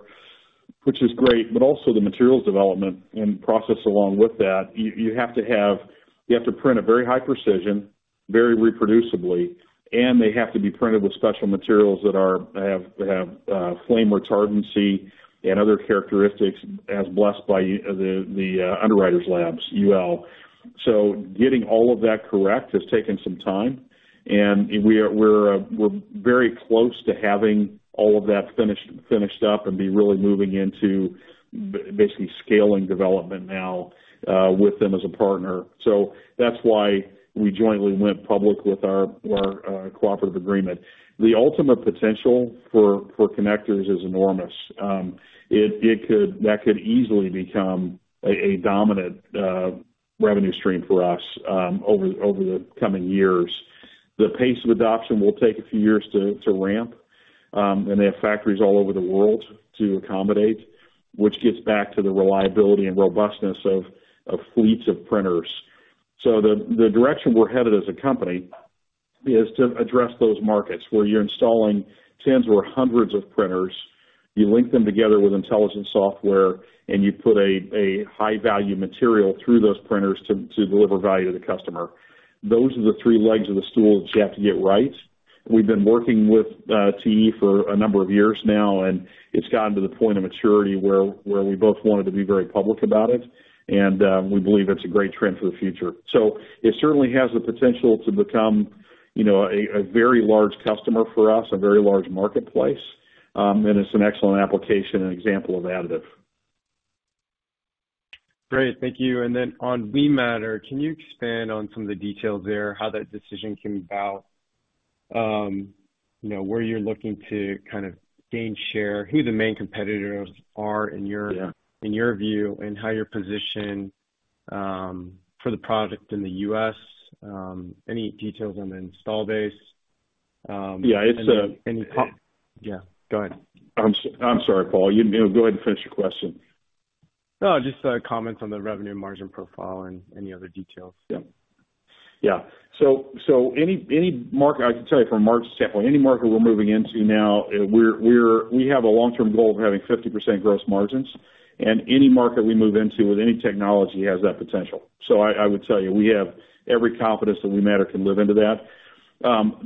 which is great, but also the materials development and process along with that. You have to print a very high precision, very reproducibly, and they have to be printed with special materials that are, have, that have flame retardancy and other characteristics as blessed by the Underwriters Laboratories, UL. Getting all of that correct has taken some time. We're very close to having all of that finished up and be really moving into basically scaling development now with them as a partner. That's why we jointly went public with our cooperative agreement. The ultimate potential for connectors is enormous. That could easily become a dominant revenue stream for us over the coming years. The pace of adoption will take a few years to ramp, and they have factories all over the world to accommodate, which gets back to the reliability and robustness of fleets of printers. The direction we're headed as a company is to address those markets where you're installing tens or hundreds of printers, you link them together with intelligent software, and you put a high value material through those printers to deliver value to the customer. Those are the three legs of the stool that you have to get right. We've been working with TE for a number of years now. It's gotten to the point of maturity where we both wanted to be very public about it. We believe it's a great trend for the future. It certainly has the potential to become, you know, a very large customer for us, a very large marketplace, and it's an excellent application and example of additive. Great. Thank you. Then on Wematter, can you expand on some of the details there, how that decision came about? You know, where you're looking to kind of gain share, who the main competitors are? Yeah... in your view, and how you're positioned for the product in the U.S. Any details on the install base. Yeah, it's. Yeah, go ahead. I'm sorry, Paul. You know, go ahead and finish your question. No, just comments on the revenue margin profile and any other details. Yeah. Yeah. Any market I can tell you from a margin standpoint, any market we're moving into now, we have a long-term goal of having 50% gross margins, and any market we move into with any technology has that potential. I would tell you, we have every confidence that Wematter can live into that.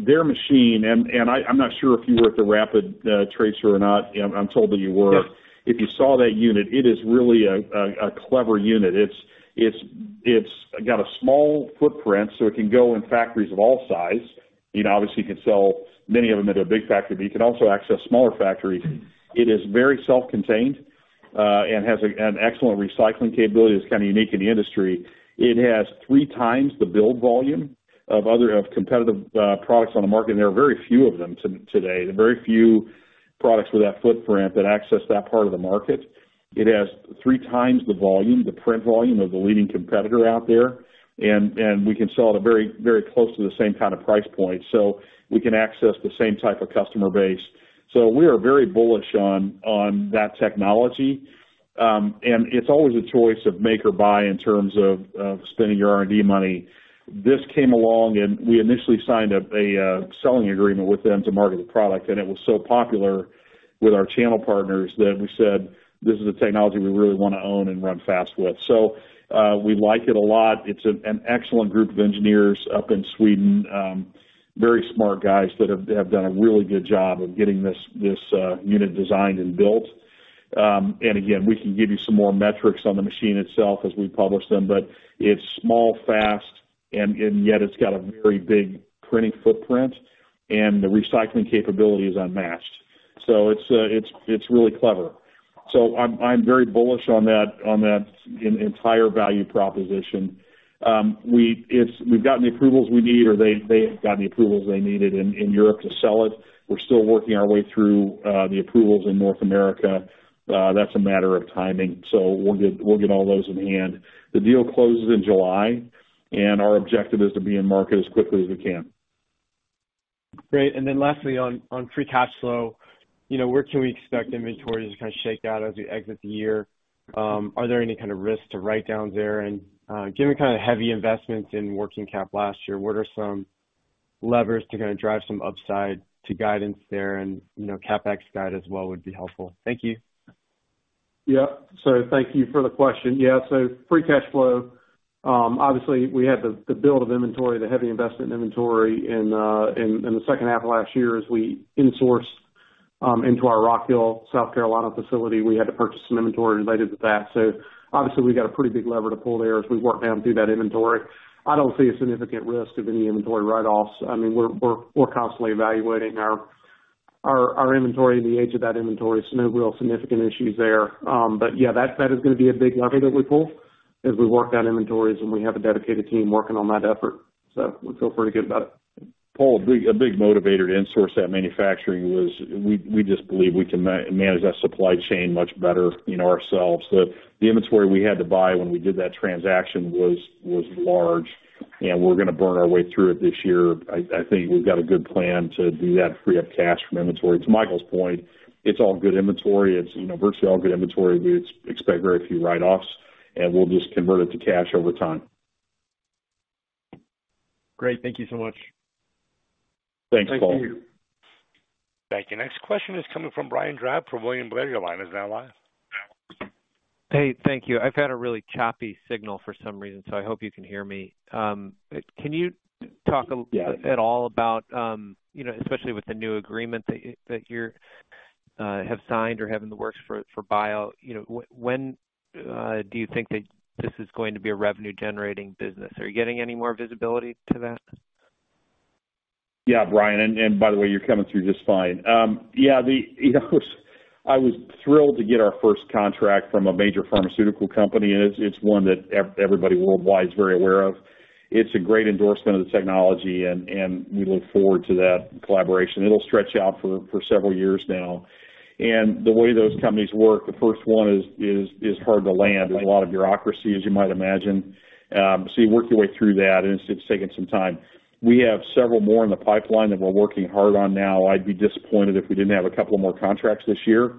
Their machine, and I'm not sure if you were at the RAPID + TCT or not. I'm told that you were. Yes. If you saw that unit, it is really a clever unit. It's got a small footprint, so it can go in factories of all size. You know, obviously, you can sell many of them into a big factory, but you can also access smaller factories. It is very self-contained and has an excellent recycling capability that's kind of unique in the industry. It has three times the build volume of competitive products on the market, and there are very few of them today. There are very few products with that footprint that access that part of the market. It has three times the volume, the print volume, of the leading competitor out there. We can sell at a very, very close to the same kind of price point. We can access the same type of customer base. We are very bullish on that technology. It's always a choice of make or buy in terms of spending your R&D money. This came along, and we initially signed up a selling agreement with them to market the product, and it was so popular with our channel partners that we said, "This is a technology we really wanna own and run fast with." We like it a lot. It's an excellent group of engineers up in Sweden. Very smart guys that have done a really good job of getting this unit designed and built. Again, we can give you some more metrics on the machine itself as we publish them, but it's small, fast, and yet it's got a very big printing footprint, and the recycling capability is unmatched. It's really clever. I'm very bullish on that entire value proposition. We've gotten the approvals we need, or they have gotten the approvals they needed in Europe to sell it. We're still working our way through the approvals in North America. That's a matter of timing. We'll get all those in hand. The deal closes in July. Our objective is to be in market as quickly as we can. Great. Then lastly, on free cash flow, you know, where can we expect inventory to kind of shake out as we exit the year? Are there any kind of risks to write down there? Given kind of the heavy investments in working cap last year, what are some levers to kind of drive some upside to guidance there? You know, CapEx guide as well would be helpful. Thank you. Yeah. Thank you for the question. Yeah, free cash flow, obviously, we had the build of inventory, the heavy investment in inventory in the second half of last year as we insourced into our Rock Hill, South Carolina facility. We had to purchase some inventory related to that. Obviously we've got a pretty big lever to pull there as we work down through that inventory. I don't see a significant risk of any inventory write-offs. I mean, we're constantly evaluating our inventory and the age of that inventory. No real significant issues there. Yeah, that is gonna be a big lever that we pull as we work that inventories, and we have a dedicated team working on that effort. We feel pretty good about it. Paul, a big motivator to insource that manufacturing was we just believe we can manage that supply chain much better, you know, ourselves. The inventory we had to buy when we did that transaction was large, and we're gonna burn our way through it this year. I think we've got a good plan to do that, free up cash from inventory. To Michael's point, it's all good inventory. It's, you know, virtually all good inventory. We expect very few write-offs, and we'll just convert it to cash over time. Great. Thank you so much. Thanks, Paul. Thank you. Thank you. Next question is coming from Brian Drab from William Blair. Your line is now live. Hey, thank you. I've had a really choppy signal for some reason, so I hope you can hear me. Can you talk? Yeah... at all about, you know, especially with the new agreement that you're have signed or have in the works for bio, you know, when do you think that this is going to be a revenue generating business? Are you getting any more visibility to that? Yeah, Brian. By the way, you're coming through just fine. Yeah, you know, I was thrilled to get our first contract from a major pharmaceutical company, it's one that everybody worldwide is very aware of. It's a great endorsement of the technology, we look forward to that collaboration. It'll stretch out for several years now. The way those companies work, the first one is hard to land. Right. There's a lot of bureaucracy, as you might imagine. You work your way through that, and it's taken some time. We have several more in the pipeline that we're working hard on now. I'd be disappointed if we didn't have a couple of more contracts this year.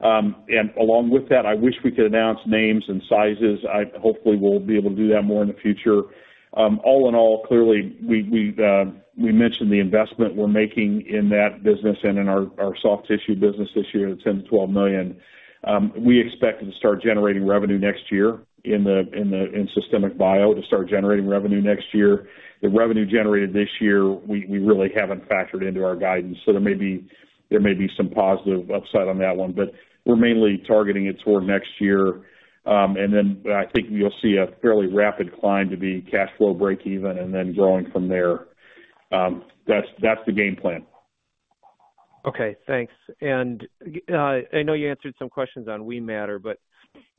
Along with that, I wish we could announce names and sizes. Hopefully, we'll be able to do that more in the future. All in all, clearly, we mentioned the investment we're making in that business and in our soft tissue business this year, the $10 million-$12 million. We expect to start generating revenue next year in Systemic Bio to start generating revenue next year. The revenue generated this year, we really haven't factored into our guidance. There may be some positive upside on that one, but we're mainly targeting it toward next year. Then I think you'll see a fairly rapid climb to be cash flow breakeven and then growing from there. That's the game plan. Okay, thanks. I know you answered some questions on Wematter, but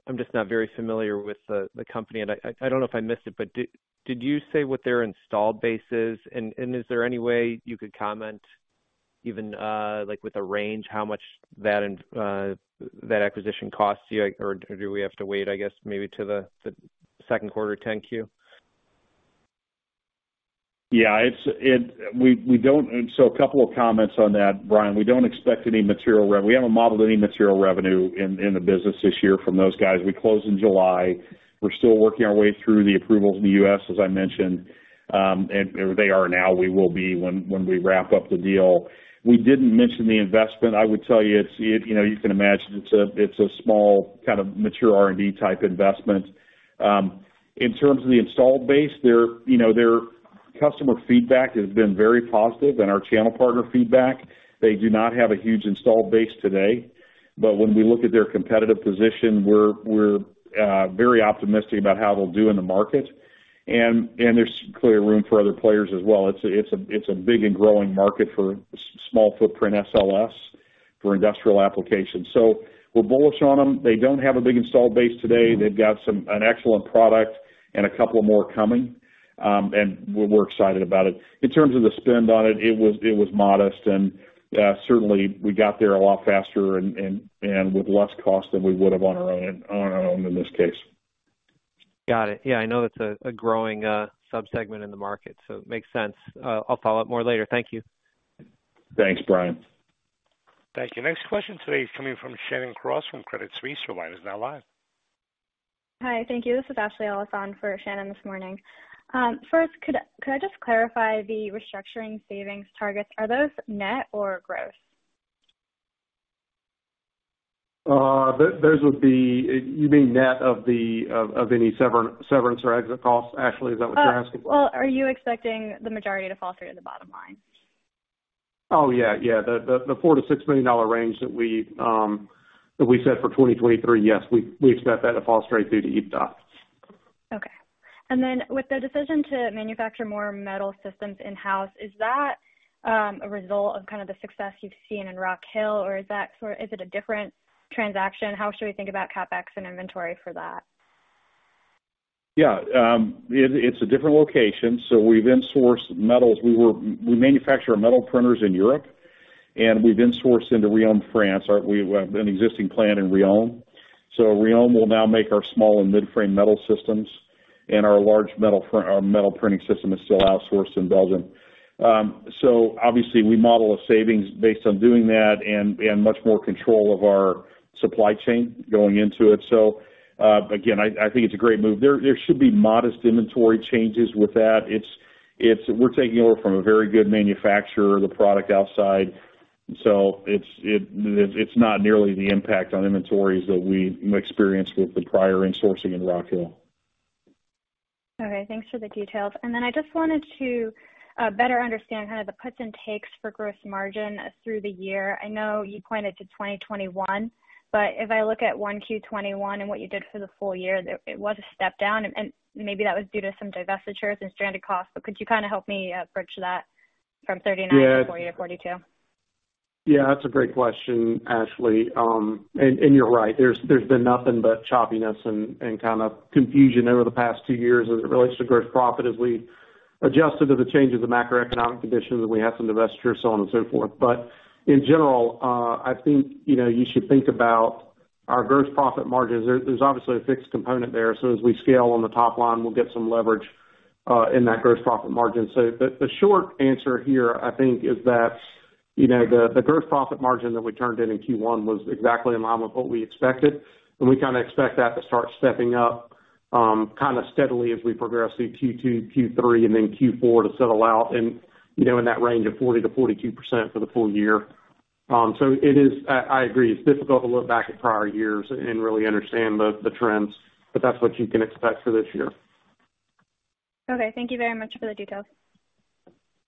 I'm just not very familiar with the company, and I don't know if I missed it, but did you say what their install base is? Is there any way you could comment even, like, with a range, how much that acquisition costs you? Or do we have to wait, I guess, maybe to the second quarter 10-Q? Yeah, we don't... A couple of comments on that, Brian. We haven't modeled any material revenue in the business this year from those guys. We closed in July. We're still working our way through the approvals in the U.S., as I mentioned. They are now, we will be when we wrap up the deal. We didn't mention the investment. I would tell you it's, you know, you can imagine it's a small kind of mature R&D type investment. In terms of the install base, you know, their customer feedback has been very positive and our channel partner feedback. They do not have a huge install base today, but when we look at their competitive position, we're very optimistic about how they'll do in the market. There's clearly room for other players as well. It's a big and growing market for small footprint SLS for industrial applications. We're bullish on them. They don't have a big install base today. They've got an excellent product and a couple more coming, and we're excited about it. In terms of the spend on it was modest and certainly we got there a lot faster and with less cost than we would have on our own in this case. Got it. I know it's a growing subsegment in the market, so it makes sense. I'll follow up more later. Thank you. Thanks, Brian. Thank you. Next question today is coming from Shannon Cross from Credit Suisse. Your line is now live. Hi, thank you. This is Ashley Olson for Shannon this morning. First, could I just clarify the restructuring savings targets? Are those net or gross? those would be... You mean net of the, of any severance or exit costs, Ashley? Is that what you're asking? Well, are you expecting the majority to fall through to the bottom line? Oh, yeah. The $4 million-$6 million range that we, that we set for 2023, yes, we expect that to fall straight through to EBITDA. Okay. With the decision to manufacture more metal systems in-house, is that a result of kind of the success you've seen in Rock Hill? Or is it a different transaction? How should we think about CapEx and inventory for that? Yeah, it's a different location. We've insourced metals. We manufacture our metal printers in Europe, and we've insourced into Riom, France. We have an existing plant in Riom. Riom will now make our small and mid-frame metal systems, and our large metal or metal printing system is still outsourced in Belgium. Obviously we model a savings based on doing that and much more control of our supply chain going into it. Again, I think it's a great move. There should be modest inventory changes with that. It's. We're taking over from a very good manufacturer, the product outside. It's not nearly the impact on inventories that we experienced with the prior insourcing in Rock Hill. Okay, thanks for the details. I just wanted to better understand kind of the puts and takes for gross margin through the year. I know you pointed to 2021, but if I look at 1Q 2021 and what you did for the full year, it was a step down, and maybe that was due to some divestitures and stranded costs. Could you kind of help me bridge that from 39 Yeah. 40 to 42? Yeah, that's a great question, Ashley. You're right. There's been nothing but choppiness and kind of confusion over the past two years as it relates to gross profit as we adjusted to the changes in macroeconomic conditions, and we had some divestiture, so on and so forth. In general, I think, you know, you should think about our gross profit margins. There's obviously a fixed component there, so as we scale on the top line, we'll get some leverage in that gross profit margin. The short answer here, I think, is that, you know, the gross profit margin that we turned in in Q1 was exactly in line with what we expected, and we kinda expect that to start stepping up, kind of steadily as we progress through Q2, Q3, and then Q4 to settle out and, you know, in that range of 40%-42% for the full year. It is. I agree, it's difficult to look back at prior years and really understand the trends, but that's what you can expect for this year. Okay, thank you very much for the details.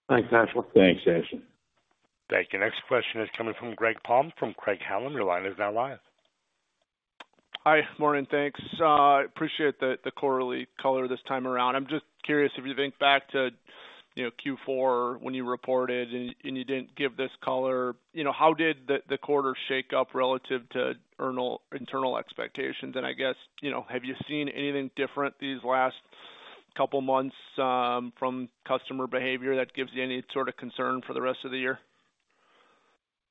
Thanks, Ashley. Thanks, Ashley. Thank you. Next question is coming from Greg Palm from Craig-Hallum. Your line is now live. Hi. Morning, thanks. Appreciate the quarterly color this time around. I'm just curious if you think back to, you know, Q4 when you reported and you didn't give this color, you know, how did the quarter shake up relative to internal expectations? I guess, you know, have you seen anything different these last couple months, from customer behavior that gives you any sort of concern for the rest of the year?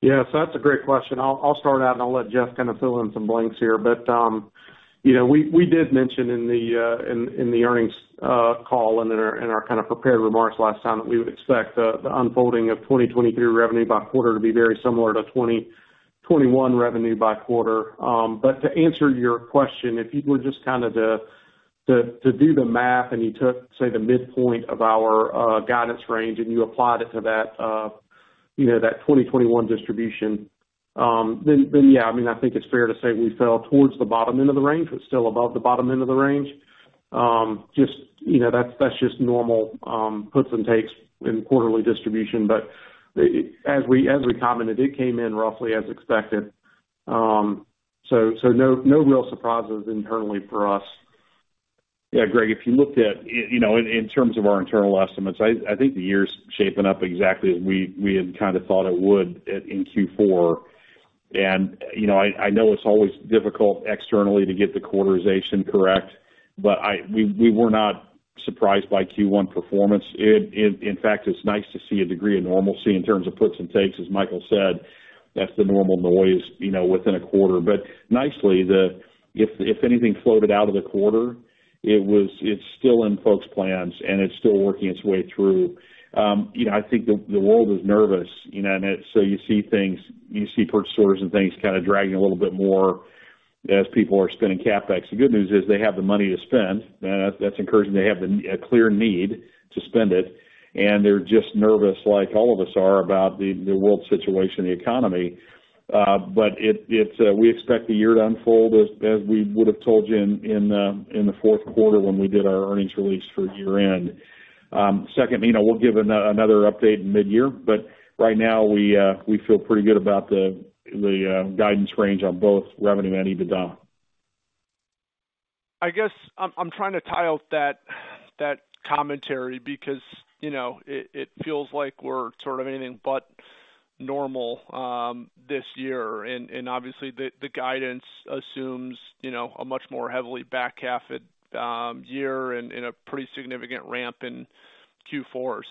Yeah. That's a great question. I'll start out, and I'll let Jeff kind of fill in some blanks here. You know, we did mention in the earnings call and in our kind of prepared remarks last time that we would expect the unfolding of 2023 revenue by quarter to be very similar to 2021 revenue by quarter. To answer your question, if you were just to do the math and you took, say, the midpoint of our guidance range and you applied it to that, you know, that 2021 distribution, yeah, I mean, I think it's fair to say we fell towards the bottom end of the range. It's still above the bottom end of the range. Just, you know, that's just normal puts and takes in quarterly distribution. As we commented, it came in roughly as expected. No real surprises internally for us. Yeah, Greg, if you looked at, you know, in terms of our internal estimates, I think the year's shaping up exactly as we had kinda thought it would at, in Q4. You know, I know it's always difficult externally to get the quarterization correct, but we were not surprised by Q1 performance. In fact, it's nice to see a degree of normalcy in terms of puts and takes, as Michael said. That's the normal noise, you know, within a quarter. Nicely, the if anything floated out of the quarter, it was it's still in folks' plans, and it's still working its way through. You know, I think the world is nervous, you know, so you see things, you see purchase orders and things kinda dragging a little bit more as people are spending CapEx. The good news is they have the money to spend. That's encouraging. They have a clear need to spend it, and they're just nervous like all of us are about the world situation and the economy. It, we expect the year to unfold as we would've told you in the fourth quarter when we did our earnings release for year-end. Second, you know, we'll give another update midyear, right now we feel pretty good about the guidance range on both revenue and EBITDA. I guess I'm trying to tie out that commentary because, you know, it feels like we're sort of anything but normal this year. Obviously the guidance assumes, you know, a much more heavily back half year and a pretty significant ramp in Q4.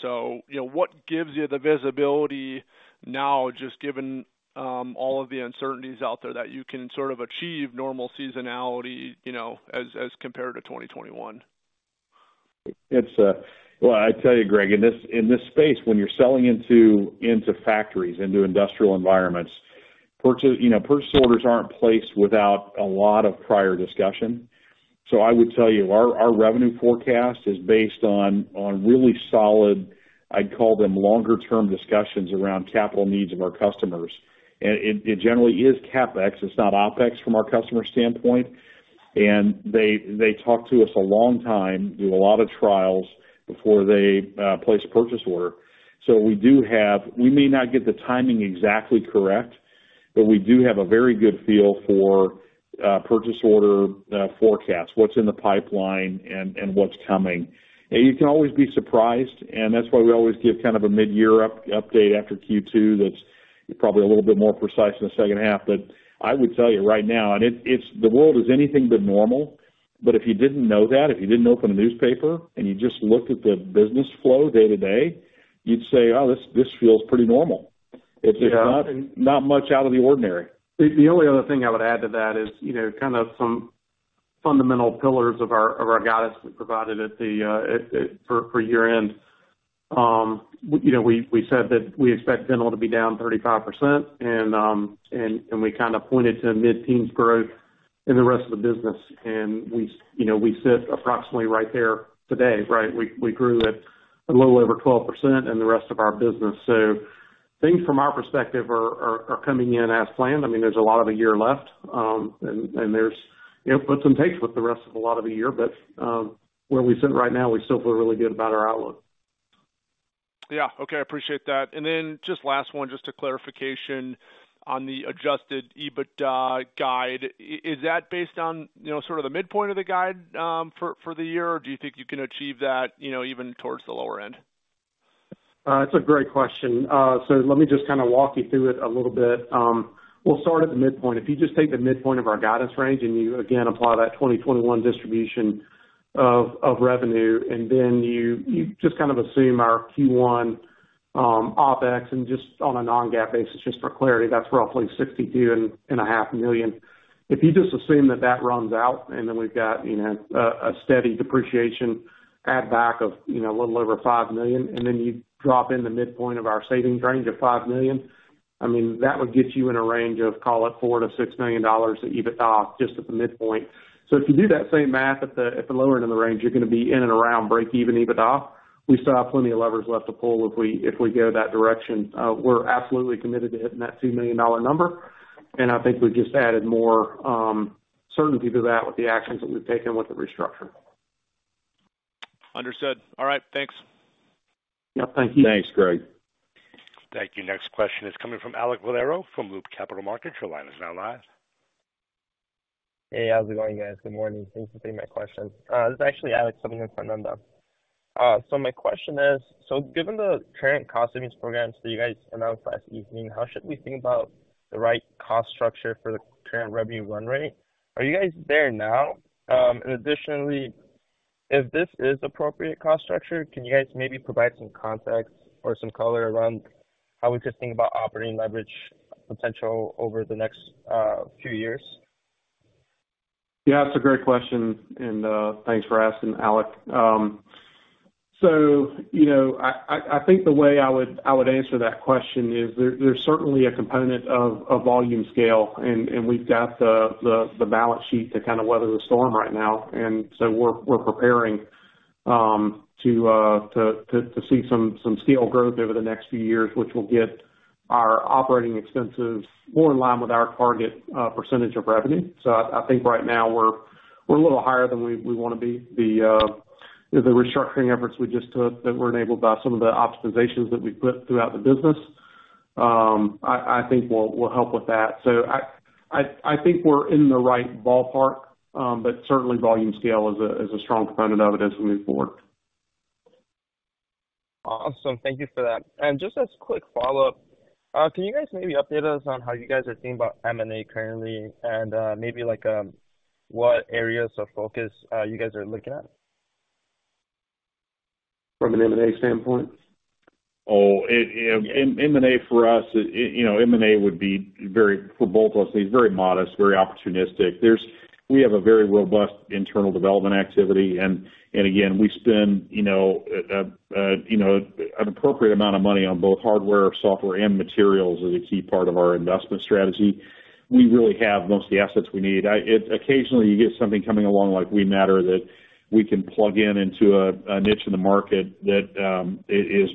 You know, what gives you the visibility now, just given all of the uncertainties out there that you can sort of achieve normal seasonality, you know, as compared to 2021? Well, I tell you, Greg, in this, in this space, when you're selling into factories, into industrial environments, you know, purchase orders aren't placed without a lot of prior discussion. I would tell you our revenue forecast is based on really solid, I'd call them longer term discussions around capital needs of our customers. It, it generally is CapEx, it's not OpEx from our customer standpoint. They, they talk to us a long time, do a lot of trials before they place a purchase order. We do have, we may not get the timing exactly correct, but we do have a very good feel for purchase order forecast, what's in the pipeline and what's coming. You can always be surprised, and that's why we always give kind of a midyear up-update after Q2 that's probably a little bit more precise in the second half. I would tell you right now, and it's the world is anything but normal. If you didn't know that, if you didn't open a newspaper and you just looked at the business flow day to day, you'd say, "Oh, this feels pretty normal. Yeah. It's not much out of the ordinary. The only other thing I would add to that is, you know, kind of some fundamental pillars of our guidance we provided for year-end. You know, we said that we expect dental to be down 35% and we kind of pointed to mid-teens growth in the rest of the business. We, you know, we sit approximately right there today, right? We grew at a little over 12% in the rest of our business. Things from our perspective are coming in as planned. I mean, there's a lot of the year left, and there's, you know, puts and takes with the rest of a lot of the year. Where we sit right now, we still feel really good about our outlook. Yeah. Okay. I appreciate that. Just last one, just a clarification on the adjusted EBITDA guide. Is that based on, you know, sort of the midpoint of the guide for the year? Or do you think you can achieve that, you know, even towards the lower end? It's a great question. Let me just kinda walk you through it a little bit. We'll start at the midpoint. If you just take the midpoint of our guidance range and you again apply that 2021 distribution of revenue and then you just kind of assume our Q1 OpEx and just on a non-GAAP basis, just for clarity, that's roughly $62.5 million. If you just assume that runs out and then we've got, you know, a steady depreciation add back of, you know, a little over $5 million, and then you drop in the midpoint of our savings range of $5 million, I mean, that would get you in a range of, call it $4 million-$6 million of EBITDA just at the midpoint. If you do that same math at the lower end of the range, you're gonna be in and around break-even EBITDA. We still have plenty of levers left to pull if we, if we go that direction. We're absolutely committed to hitting that $2 million number, and I think we've just added more certainty to that with the actions that we've taken with the restructure. Understood. All right. Thanks. Yeah. Thank you. Thanks, Greg. Thank you. Next question is coming from Alek Valero from Loop Capital Markets. Your line is now live. Hey, how's it going, guys? Good morning. Thanks for taking my questions. This is actually Alec subbing in for Nanda. My question is, so given the current cost savings programs that you guys announced last evening, how should we think about the right cost structure for the current revenue run rate? Are you guys there now? Additionally, if this is appropriate cost structure, can you guys maybe provide some context or some color around how we could think about operating leverage potential over the next few years? Yeah, that's a great question and thanks for asking, Alex. you know, I think the way I would answer that question is there's certainly a component of volume scale, and we've got the balance sheet to kind of weather the storm right now. We're preparing to see some scale growth over the next few years, which will get our operating expenses more in line with our target percentage of revenue. I think right now we're a little higher than we wanna be. The, you know, the restructuring efforts we just took that were enabled by some of the optimizations that we put throughout the business, I think will help with that. I think we're in the right ballpark. But certainly volume scale is a strong component of it as we move forward. Awesome. Thank you for that. Just as quick follow-up, can you guys maybe update us on how you guys are thinking about M&A currently and, maybe like, what areas of focus, you guys are looking at? From an M&A standpoint? M&A for us, you know, M&A would be very, for both of us, is very modest, very opportunistic. We have a very robust internal development activity and again, we spend, you know, an appropriate amount of money on both hardware, software and materials as a key part of our investment strategy. We really have most of the assets we need. Occasionally you get something coming along like Wematter that we can plug in into a niche in the market that is,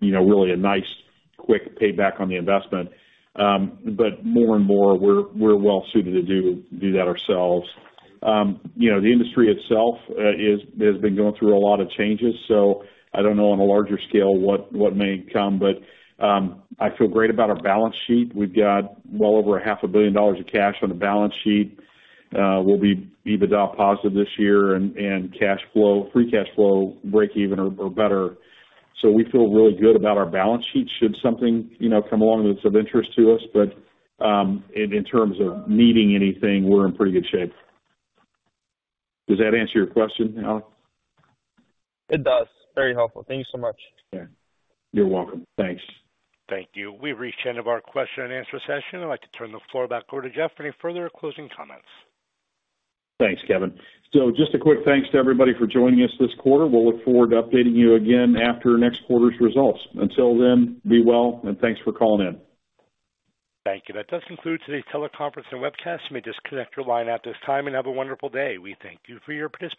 you know, really a nice quick payback on the investment. More and more we're well suited to do that ourselves. you know, the industry itself, has been going through a lot of changes, I don't know on a larger scale what may come. I feel great about our balance sheet. We've got well over a half a billion dollars of cash on the balance sheet. We'll be EBITDA positive this year and cash flow, free cash flow, breakeven or better. We feel really good about our balance sheet should something, you know, come along that's of interest to us. In terms of needing anything, we're in pretty good shape. Does that answer your question, Alek? It does. Very helpful. Thank you so much. Yeah. You're welcome. Thanks. Thank you. We've reached the end of our question and answer session. I'd like to turn the floor back over to Jeff for any further closing comments. Thanks, Kevin. Just a quick thanks to everybody for joining us this quarter. We'll look forward to updating you again after next quarter's results. Until then, be well and thanks for calling in. Thank you. That does conclude today's teleconference and webcast. You may disconnect your line at this time and have a wonderful day. We thank you for your participation.